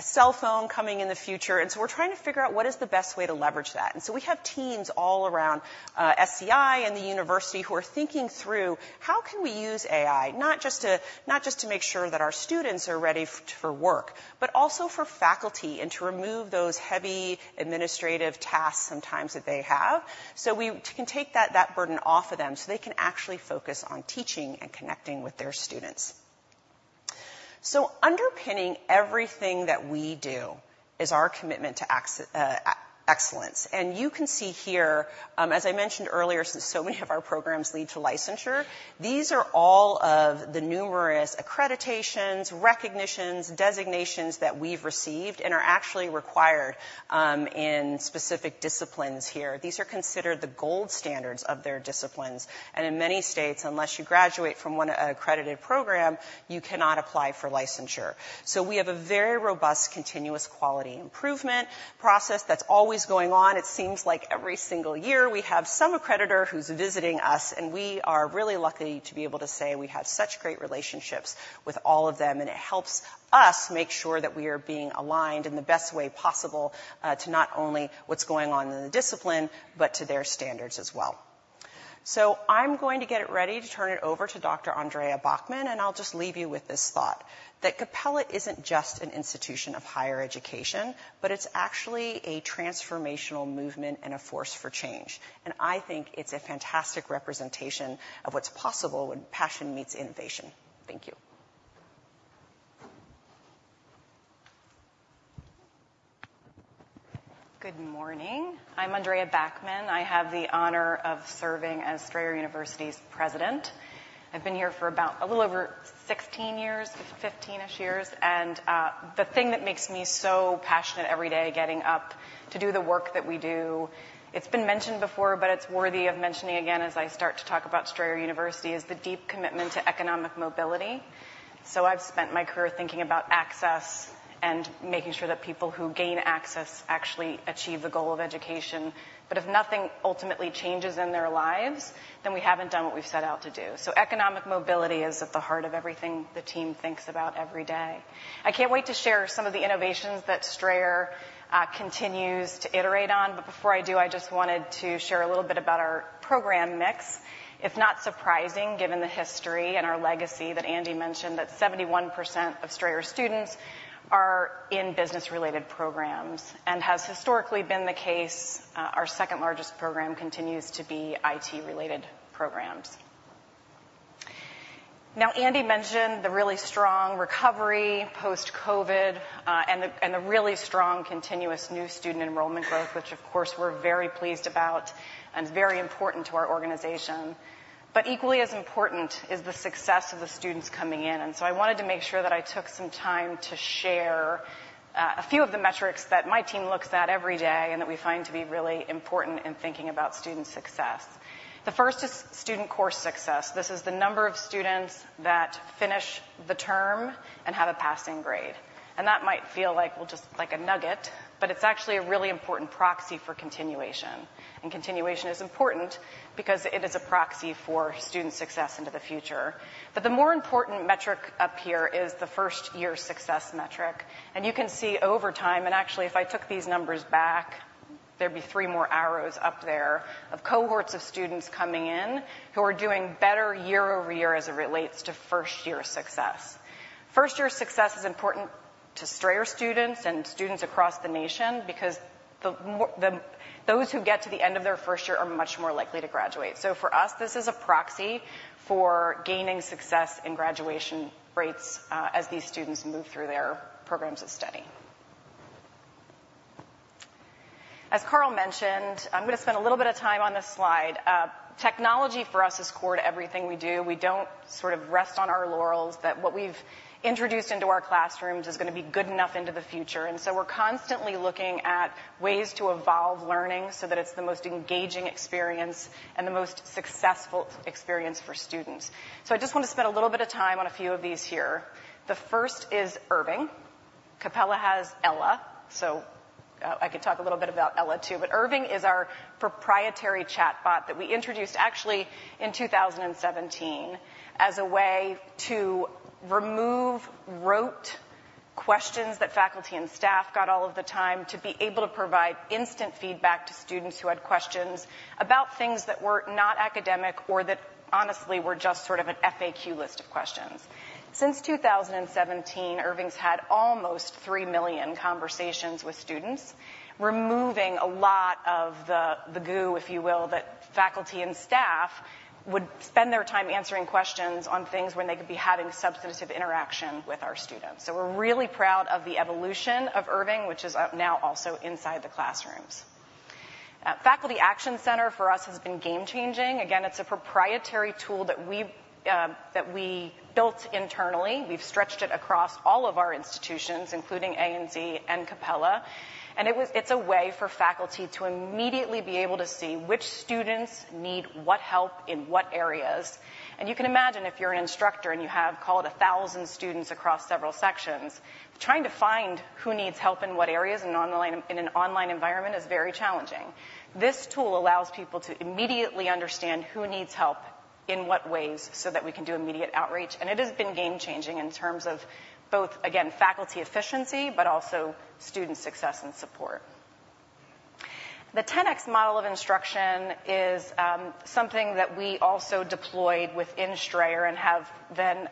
cell phone coming in the future. So we're trying to figure out what is the best way to leverage that. So we have teams all around SCI and the university who are thinking through how can we use AI, not just to make sure that our students are ready for work, but also for faculty, and to remove those heavy administrative tasks sometimes that they have. So we can take that burden off of them, so they can actually focus on teaching and connecting with their students. Underpinning everything that we do is our commitment to excellence. You can see here, as I mentioned earlier, since so many of our programs lead to licensure, these are all of the numerous accreditations, recognitions, designations that we've received and are actually required in specific disciplines here. These are considered the gold standards of their disciplines, and in many states, unless you graduate from one accredited program, you cannot apply for licensure. So we have a very robust, continuous quality improvement process that's always going on. It seems like every single year we have some accreditor who's visiting us, and we are really lucky to be able to say we have such great relationships with all of them, and it helps us make sure that we are being aligned in the best way possible, to not only what's going on in the discipline, but to their standards as well. I'm going to get it ready to turn it over to Dr. Andrea Backman, and I'll just leave you with this thought, that Capella isn't just an institution of higher education, but it's actually a transformational movement and a force for change. I think it's a fantastic representation of what's possible when passion meets innovation. Thank you. Good morning. I'm Andrea Backman. I have the honor of serving as Strayer University's president. I've been here for about a little over 16 years, 15-ish years, and, the thing that makes me so passionate every day, getting up to do the work that we do, it's been mentioned before, but it's worthy of mentioning again as I start to talk about Strayer University, is the deep commitment to economic mobility. So I've spent my career thinking about access and making sure that people who gain access actually achieve the goal of education. But if nothing ultimately changes in their lives, then we haven't done what we've set out to do. So economic mobility is at the heart of everything the team thinks about every day. I can't wait to share some of the innovations that Strayer, continues to iterate on. But before I do, I just wanted to share a little bit about our program mix. It's not surprising, given the history and our legacy that Andy mentioned, that 71% of Strayer students are in business-related programs. And has historically been the case, our second-largest program continues to be IT-related programs. Now, Andy mentioned the really strong recovery post-COVID, and the really strong, continuous new student enrollment growth, which of course, we're very pleased about and is very important to our organization. But equally as important is the success of the students coming in, and so I wanted to make sure that I took some time to share a few of the metrics that my team looks at every day and that we find to be really important in thinking about student success. The first is student course success. This is the number of students that finish the term and have a passing grade. That might feel like, well, just like a nugget, but it's actually a really important proxy for continuation. Continuation is important because it is a proxy for student success into the future. The more important metric up here is the first-year success metric. You can see over time, and actually, if I took these numbers back, there'd be three more arrows up there of cohorts of students coming in who are doing better year-over-year as it relates to first-year success. First-year success is important to Strayer students and students across the nation because those who get to the end of their first year are much more likely to graduate. So for us, this is a proxy for gaining success in graduation rates, as these students move through their programs of study. As Karl mentioned, I'm going to spend a little bit of time on this slide. Technology for us is core to everything we do. We don't sort of rest on our laurels, that what we've introduced into our classrooms is going to be good enough into the future. And so we're constantly looking at ways to evolve learning so that it's the most engaging experience and the most successful experience for students. So I just want to spend a little bit of time on a few of these here. The first is Irving. Capella has Ella, so, I could talk a little bit about Ella, too. But Irving is our proprietary chatbot that we introduced actually in 2017 as a way to remove rote questions that faculty and staff got all of the time, to be able to provide instant feedback to students who had questions about things that were not academic or that honestly were just sort of an FAQ list of questions. Since 2017, Irving's had almost 3 million conversations with students, removing a lot of the goo, if you will, that faculty and staff would spend their time answering questions on things when they could be having substantive interaction with our students. So we're really proud of the evolution of Irving, which is now also inside the classrooms. Faculty Action Center for us has been game-changing. Again, it's a proprietary tool that we built internally. We've stretched it across all of our institutions, including Strayer and Capella, and it's a way for faculty to immediately be able to see which students need what help in what areas. And you can imagine, if you're an instructor and you have, call it 1,000 students across several sections, trying to find who needs help in what areas in online, in an online environment is very challenging. This tool allows people to immediately understand who needs help in what ways, so that we can do immediate outreach. And it has been game-changing in terms of both, again, faculty efficiency, but also student success and support. The 10X model of instruction is something that we also deployed within Strayer and have then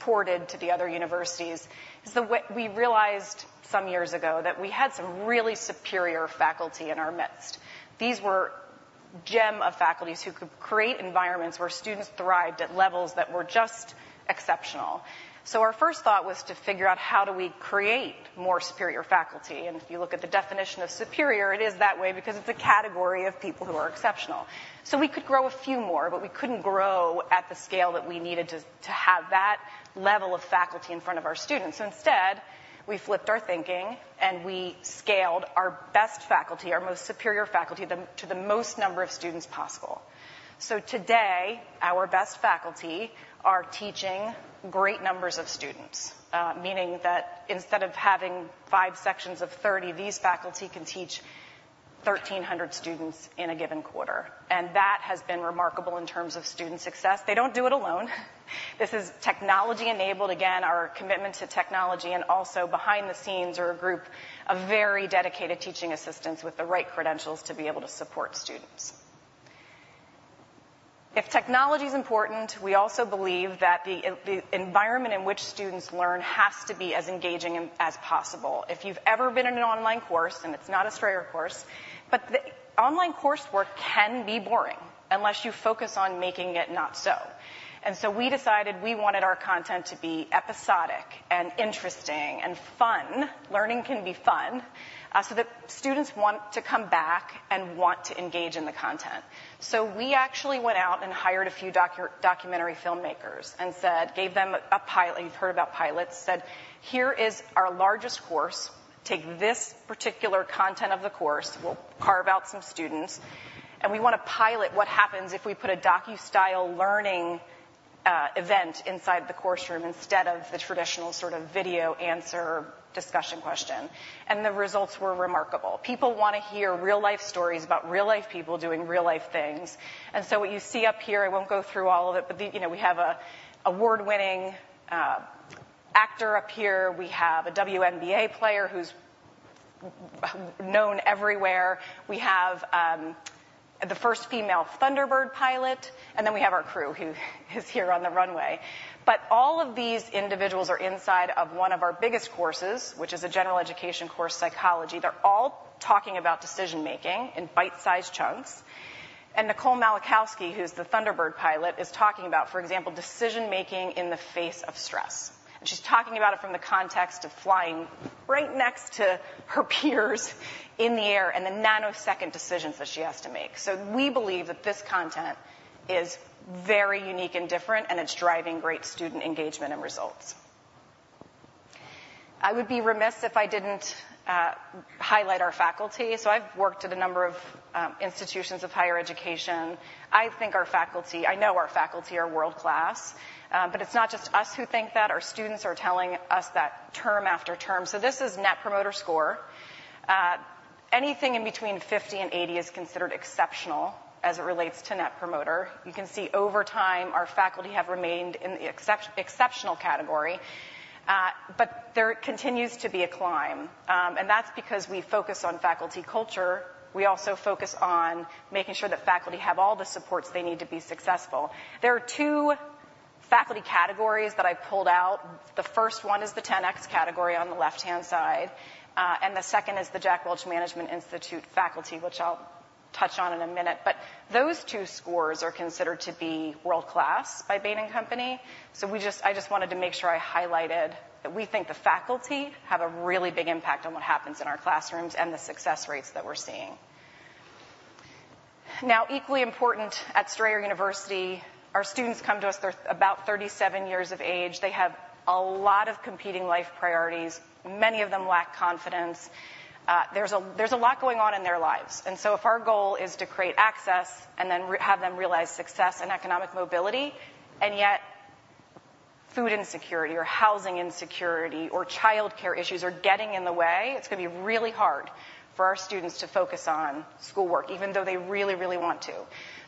ported to the other universities. So we realized some years ago that we had some really superior faculty in our midst. These were a gem of faculties who could create environments where students thrived at levels that were just exceptional. So our first thought was to figure out how do we create more superior faculty? And if you look at the definition of superior, it is that way because it's a category of people who are exceptional. So we could grow a few more, but we couldn't grow at the scale that we needed to, to have that level of faculty in front of our students. So instead, we flipped our thinking and we scaled our best faculty, our most superior faculty, them to the most number of students possible. So today, our best faculty are teaching great numbers of students, meaning that instead of having five sections of 30, these faculty can teach 1,300 students in a given quarter, and that has been remarkable in terms of student success. They don't do it alone. This is technology-enabled, again, our commitment to technology, and also behind the scenes are a group of very dedicated teaching assistants with the right credentials to be able to support students. If technology is important, we also believe that the environment in which students learn has to be as engaging as possible. If you've ever been in an online course, and it's not a Strayer course, but the online coursework can be boring unless you focus on making it not so. And so we decided we wanted our content to be episodic and interesting and fun. Learning can be fun, so that students want to come back and want to engage in the content. So we actually went out and hired a few documentary filmmakers and said, gave them a pilot. You've heard about pilots. Said, "Here is our largest course. Take this particular content of the course. We'll carve out some students, and we want to pilot what happens if we put a docu-style learning event inside the course room instead of the traditional sort of video answer, discussion question." The results were remarkable. People want to hear real-life stories about real-life people doing real-life things. So what you see up here, I won't go through all of it, but you know, we have a award-winning actor up here. We have a WNBA player who's known everywhere. We have the first female Thunderbird pilot, and then we have our crew, who is here on the runway. But all of these individuals are inside of one of our biggest courses, which is a general education course, psychology. They're all talking about decision making in bite-sized chunks. And Nicole Malachowski, who's the Thunderbird pilot, is talking about, for example, decision making in the face of stress. And she's talking about it from the context of flying right next to her peers in the air, and the nanosecond decisions that she has to make. So we believe that this content is very unique and different, and it's driving great student engagement and results. I would be remiss if I didn't highlight our faculty. So I've worked at a number of institutions of higher education. I think our faculty, I know our faculty are world-class, but it's not just us who think that. Our students are telling us that term after term. So this is Net Promoter Score. Anything in between 50 and 80 is considered exceptional as it relates to Net Promoter. You can see over time, our faculty have remained in the exceptional category, but there continues to be a climb. That's because we focus on faculty culture. We also focus on making sure that faculty have all the supports they need to be successful. There are two faculty categories that I pulled out. The first one is the 10X category on the left-hand side, and the second is the Jack Welch Management Institute faculty, which I'll touch on in a minute. But those two scores are considered to be world-class by Bain & Company. I just wanted to make sure I highlighted that we think the faculty have a really big impact on what happens in our classrooms and the success rates that we're seeing. Now, equally important, at Strayer University, our students come to us, they're about 37 years of age. They have a lot of competing life priorities. Many of them lack confidence. There's a lot going on in their lives. And so if our goal is to create access and then have them realize success and economic mobility, and yet food insecurity or housing insecurity or childcare issues are getting in the way, it's going to be really hard for our students to focus on schoolwork, even though they really, really want to.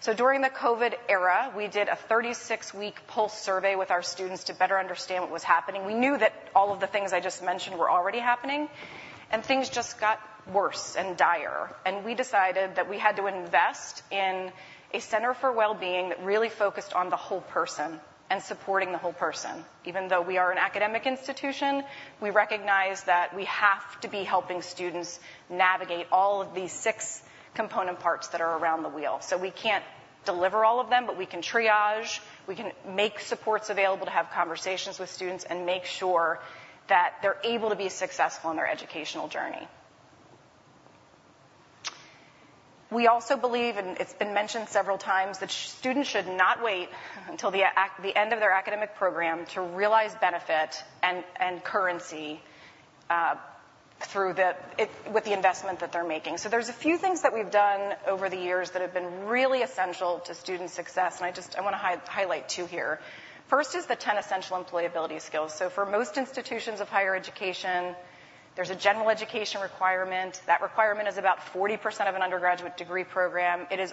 So during the COVID era, we did a 36-week pulse survey with our students to better understand what was happening. We knew that all of the things I just mentioned were already happening, and things just got worse and direr, and we decided that we had to invest in a center for well-being that really focused on the whole person and supporting the whole person. Even though we are an academic institution, we recognize that we have to be helping students navigate all of these six component parts that are around the wheel. So we can't deliver all of them, but we can triage, we can make supports available to have conversations with students and make sure that they're able to be successful in their educational journey. We also believe, and it's been mentioned several times, that students should not wait until the end of their academic program to realize benefit and currency with the investment that they're making. So there's a few things that we've done over the years that have been really essential to student success, and I just want to highlight two here. First is the 10 essential employability skills. So for most institutions of higher education, there's a general education requirement. That requirement is about 40% of an undergraduate degree program. It is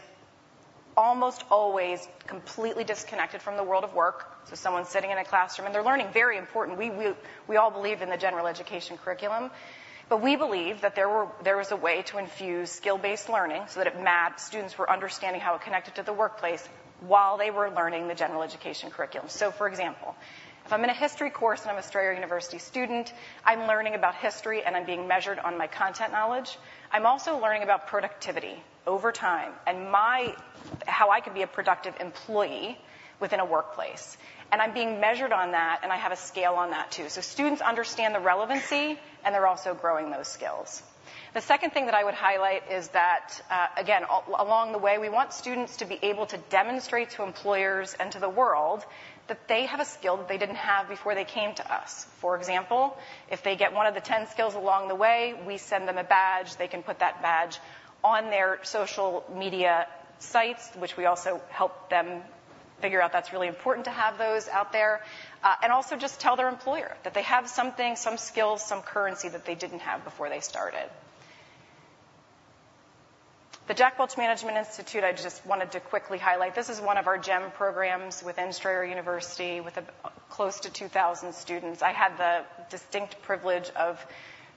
almost always completely disconnected from the world of work. So someone's sitting in a classroom, and they're learning. Very important. We all believe in the general education curriculum, but we believe that there was a way to infuse skill-based learning so that it mapped, students were understanding how it connected to the workplace while they were learning the general education curriculum. So, for example, if I'm in a history course and I'm a Strayer University student, I'm learning about history, and I'm being measured on my content knowledge. I'm also learning about productivity over time and my, how I can be a productive employee within a workplace. And I'm being measured on that, and I have a scale on that too. So students understand the relevancy, and they're also growing those skills. The second thing that I would highlight is that, again, along the way, we want students to be able to demonstrate to employers and to the world that they have a skill that they didn't have before they came to us. For example, if they get one of the 10 skills along the way, we send them a badge. They can put that badge on their social media sites, which we also help them figure out. That's really important to have those out there, and also just tell their employer that they have something, some skill, some currency that they didn't have before they started. The Jack Welch Management Institute, I just wanted to quickly highlight, this is one of our gem programs within Strayer University, with close to 2,000 students. I had the distinct privilege of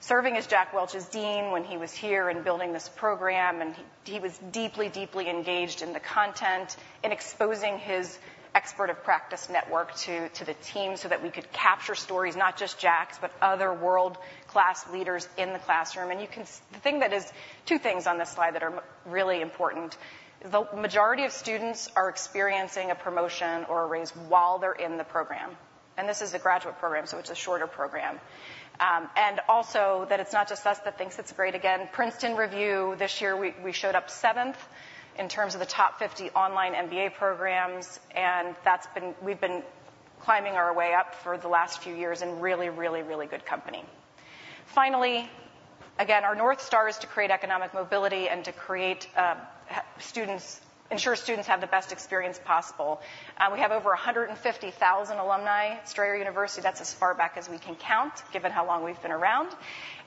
serving as Jack Welch's dean when he was here and building this program, and he was deeply, deeply engaged in the content, in exposing his expert of practice network to the team so that we could capture stories, not just Jack's, but other world-class leaders in the classroom. And you can see the thing that is... Two things on this slide that are really important. The majority of students are experiencing a promotion or a raise while they're in the program, and this is a graduate program, so it's a shorter program. And also, that it's not just us that thinks it's great. Again, Princeton Review, this year, we showed up 7th in terms of the top 50 online MBA programs, and that's been, we've been climbing our way up for the last few years in really, really, really good company. Finally, again, our North Star is to create economic mobility and ensure students have the best experience possible. We have over 150,000 alumni, Strayer University. That's as far back as we can count, given how long we've been around.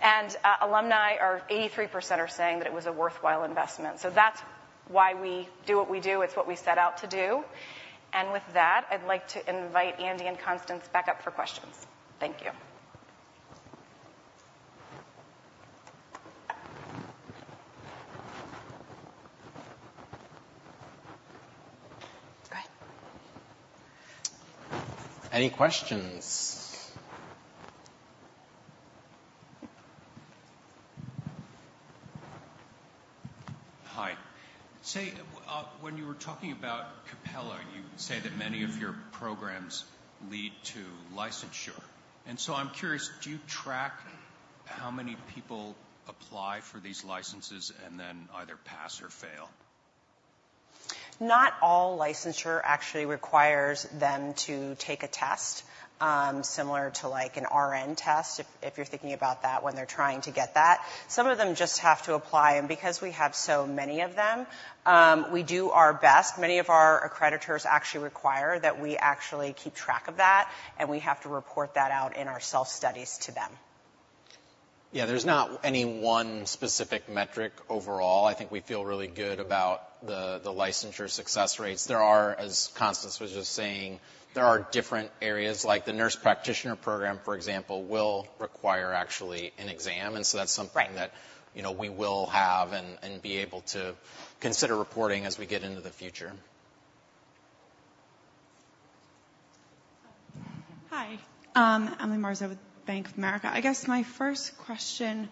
And, alumni are, 83% are saying that it was a worthwhile investment. So that's why we do what we do. It's what we set out to do. And with that, I'd like to invite Andy and Constance back up for questions. Thank you. Go ahead. Any questions? Hi. Say, when you were talking about Capella, you said that many of your programs lead to licensure, and so I'm curious, do you track how many people apply for these licenses and then either pass or fail? Not all licensure actually requires them to take a test, similar to like an RN test, if you're thinking about that, when they're trying to get that. Some of them just have to apply, and because we have so many of them, we do our best. Many of our accreditors actually require that we actually keep track of that, and we have to report that out in our self-studies to them. Yeah, there's not any one specific metric overall. I think we feel really good about the licensure success rates. There are, as Constance was just saying, different areas, like the nurse practitioner program, for example, will require actually an exam, and so that's something- Right. that, you know, we will have and be able to consider reporting as we get into the future. Hi, Emily Marzo with Bank of America. I guess my first question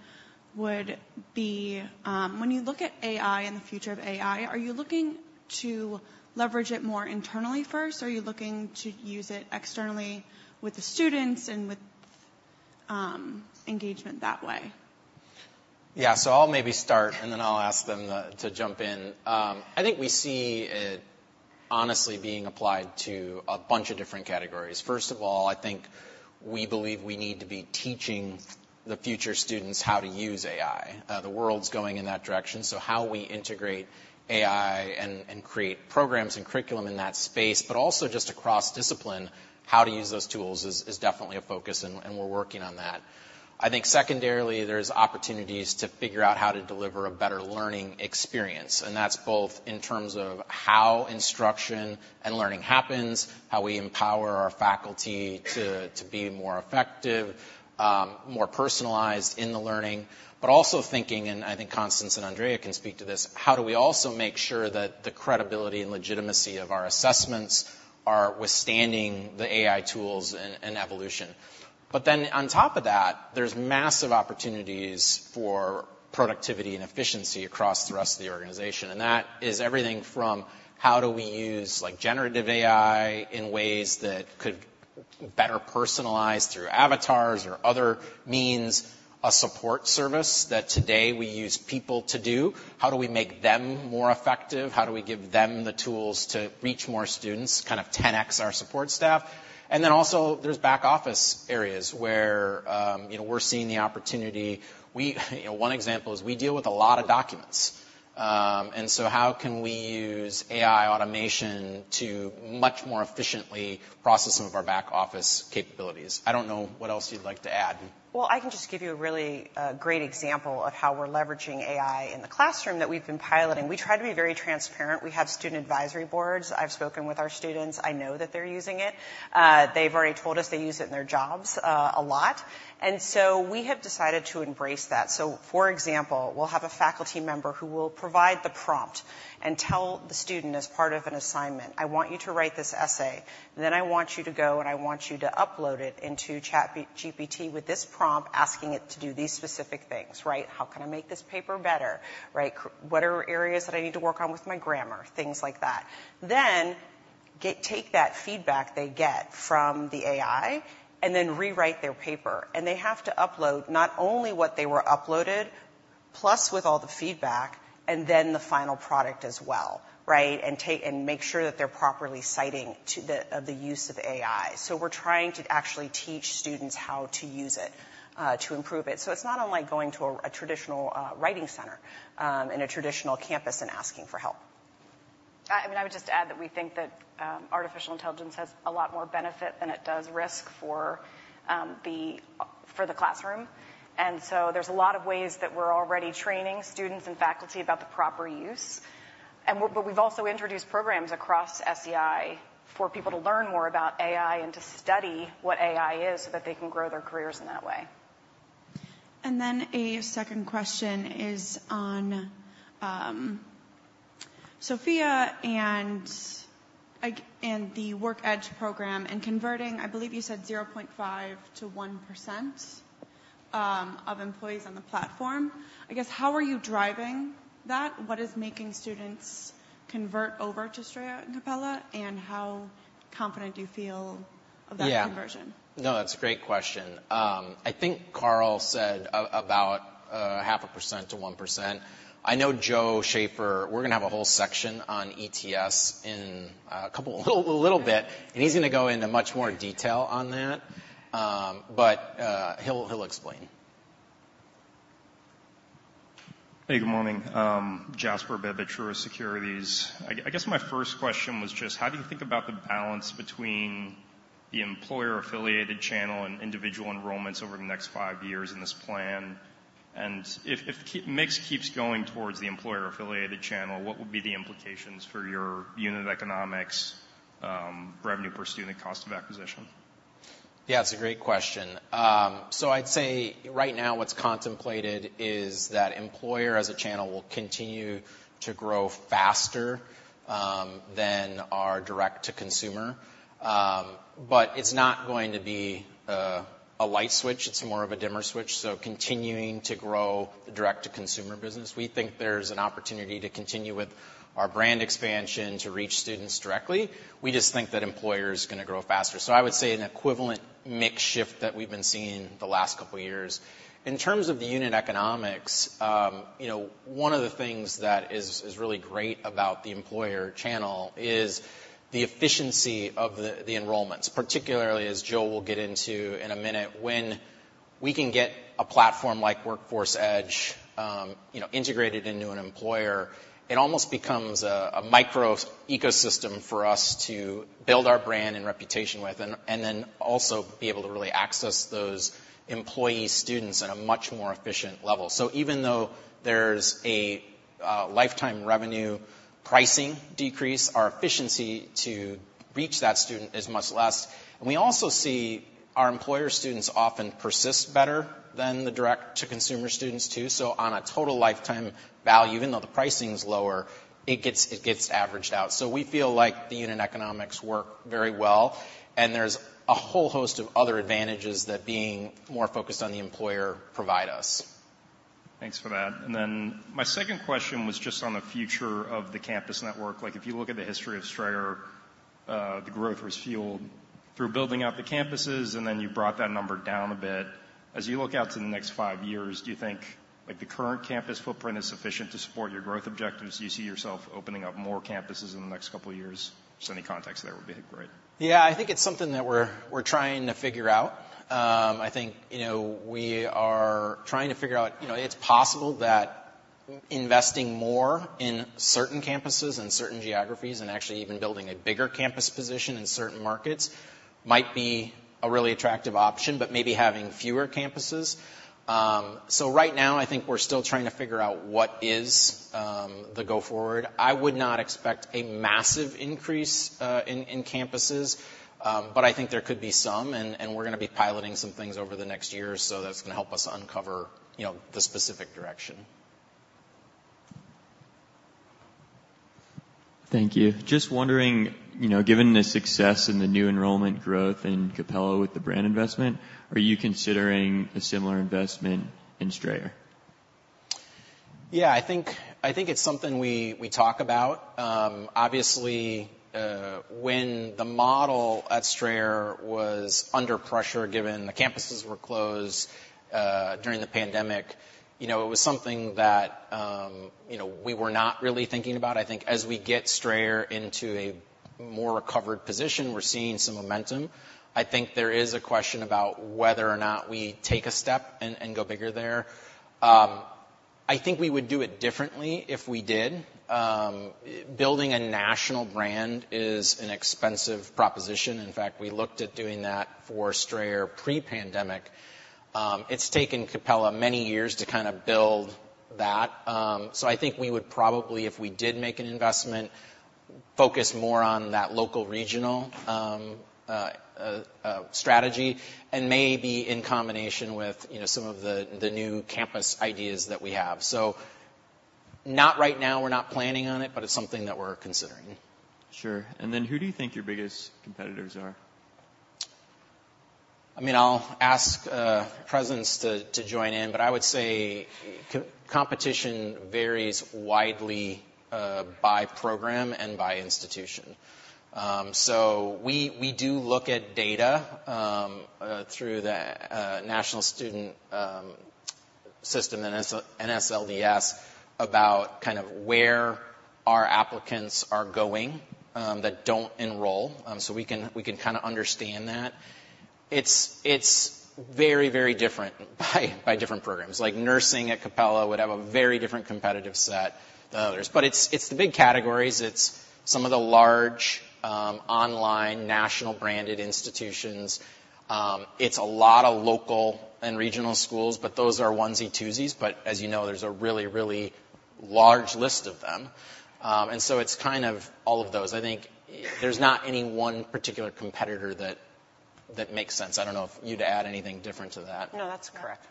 would be, when you look at AI and the future of AI, are you looking to leverage it more internally first, or are you looking to use it externally with the students and with, engagement that way? Yeah. So I'll maybe start, and then I'll ask them to, to jump in. I think we see it honestly being applied to a bunch of different categories. First of all, I think we believe we need to be teaching the future students how to use AI. The world's going in that direction, so how we integrate AI and, and create programs and curriculum in that space, but also just across discipline, how to use those tools is, is definitely a focus, and, and we're working on that. I think secondarily, there's opportunities to figure out how to deliver a better learning experience, and that's both in terms of how instruction and learning happens, how we empower our faculty to be more effective, more personalized in the learning, but also thinking, and I think Constance and Andrea can speak to this, how do we also make sure that the credibility and legitimacy of our assessments are withstanding the AI tools and evolution? But then on top of that, there's massive opportunities for productivity and efficiency across the rest of the organization, and that is everything from how do we use, like, generative AI in ways that could better personalize through avatars or other means, a support service that today we use people to do? How do we make them more effective? How do we give them the tools to reach more students, kind of 10x our support staff? And then also, there's back-office areas where, you know, we're seeing the opportunity. We, you know, one example is we deal with a lot of documents, and so how can we use AI automation to much more efficiently process some of our back-office capabilities? I don't know what else you'd like to add. Well, I can just give you a really great example of how we're leveraging AI in the classroom that we've been piloting. We try to be very transparent. We have student advisory boards. I've spoken with our students. I know that they're using it. They've already told us they use it in their jobs a lot. And so we have decided to embrace that. So, for example, we'll have a faculty member who will provide the prompt and tell the student as part of an assignment, "I want you to write this essay. Then I want you to go, and I want you to upload it into ChatGPT with this prompt, asking it to do these specific things," right? "How can I make this paper better?" Right? "What are areas that I need to work on with my grammar?" Things like that. Then- ...get take that feedback they get from the AI and then rewrite their paper. And they have to upload not only what they were uploaded, plus with all the feedback, and then the final product as well, right? And make sure that they're properly citing to the, of the use of AI. So we're trying to actually teach students how to use it to improve it. So it's not unlike going to a traditional writing center in a traditional campus and asking for help. I mean, I would just add that we think that artificial intelligence has a lot more benefit than it does risk for the classroom. And so there's a lot of ways that we're already training students and faculty about the proper use. But we've also introduced programs across SEI for people to learn more about AI and to study what AI is, so that they can grow their careers in that way. And then a second question is on Sophia and, like, and the Workforce Edge program and converting, I believe you said 0.5%-1% of employees on the platform. I guess, how are you driving that? What is making students convert over to Strayer and Capella, and how confident do you feel of that conversion? Yeah. No, that's a great question. I think Karl said about 0.5%-1%. I know Joe Schaefer... We're gonna have a whole section on ETS in a couple, a little bit, and he's gonna go into much more detail on that, but he'll, he'll explain. Hey, good morning. Jasper Bibb, Truist Securities. I guess my first question was just: How do you think about the balance between the employer-affiliated channel and individual enrollments over the next five years in this plan? And if mix keeps going towards the employer-affiliated channel, what would be the implications for your unit economics, revenue per student, cost of acquisition? Yeah, it's a great question. So I'd say right now, what's contemplated is that employer, as a channel, will continue to grow faster than our direct-to-consumer. But it's not going to be a light switch. It's more of a dimmer switch, so continuing to grow the direct-to-consumer business. We think there's an opportunity to continue with our brand expansion to reach students directly. We just think that employer is gonna grow faster. So I would say an equivalent mix shift that we've been seeing the last couple of years. In terms of the unit economics, you know, one of the things that is, is really great about the employer channel is the efficiency of the enrollments, particularly as Joe will get into in a minute. When we can get a platform like Workforce Edge, you know, integrated into an employer, it almost becomes a micro ecosystem for us to build our brand and reputation with, and, and then also be able to really access those employee students at a much more efficient level. So even though there's a lifetime revenue pricing decrease, our efficiency to reach that student is much less. And we also see our employer students often persist better than the direct-to-consumer students, too. So on a total lifetime value, even though the pricing is lower, it gets, it gets averaged out. So we feel like the unit economics work very well, and there's a whole host of other advantages that being more focused on the employer provide us. Thanks for that. And then my second question was just on the future of the campus network. Like, if you look at the history of Strayer, the growth was fueled through building out the campuses, and then you brought that number down a bit. As you look out to the next five years, do you think, like, the current campus footprint is sufficient to support your growth objectives? Do you see yourself opening up more campuses in the next couple of years? Just any context there would be great. Yeah, I think it's something that we're trying to figure out. I think, you know, we are trying to figure out. You know, it's possible that investing more in certain campuses and certain geographies and actually even building a bigger campus position in certain markets might be a really attractive option, but maybe having fewer campuses. So right now, I think we're still trying to figure out what is the go-forward. I would not expect a massive increase in campuses, but I think there could be some, and we're gonna be piloting some things over the next year or so that's gonna help us uncover, you know, the specific direction. Thank you. Just wondering, you know, given the success and the new enrollment growth in Capella with the brand investment, are you considering a similar investment in Strayer? Yeah, I think it's something we talk about. Obviously, when the model at Strayer was under pressure, given the campuses were closed, during the pandemic, you know, it was something that, you know, we were not really thinking about. I think as we get Strayer into a more recovered position, we're seeing some momentum. I think there is a question about whether or not we take a step and go bigger there. I think we would do it differently if we did. Building a national brand is an expensive proposition. In fact, we looked at doing that for Strayer pre-pandemic. It's taken Capella many years to kind of build that. So I think we would probably, if we did make an investment, focus more on that local, regional, strategy, and maybe in combination with, you know, some of the, the new campus ideas that we have. So not right now, we're not planning on it, but it's something that we're considering. Sure. And then, who do you think your biggest competitors are? I mean, I'll ask presidents to join in, but I would say competition varies widely by program and by institution. So we do look at data through the National Student Loan Data System (NSLDS) about kind of where our applicants are going that don't enroll. So we can kinda understand that. It's very different by different programs. Like, nursing at Capella would have a very different competitive set than others. But it's the big categories, it's some of the large online national branded institutions. It's a lot of local and regional schools, but those are onesie-twosies, but as you know, there's a really large list of them. And so it's kind of all of those. I think there's not any one particular competitor that makes sense. I don't know if you'd add anything different to that. No, that's correct.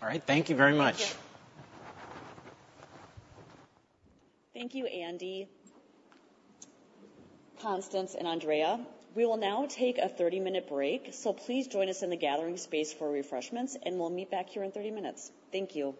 All right. Thank you very much. Thank you. Thank you, Andy, Constance, and Andrea. We will now take a 30-minute break, so please join us in the gathering space for refreshments, and we'll meet back here in 30 minutes. Thank you.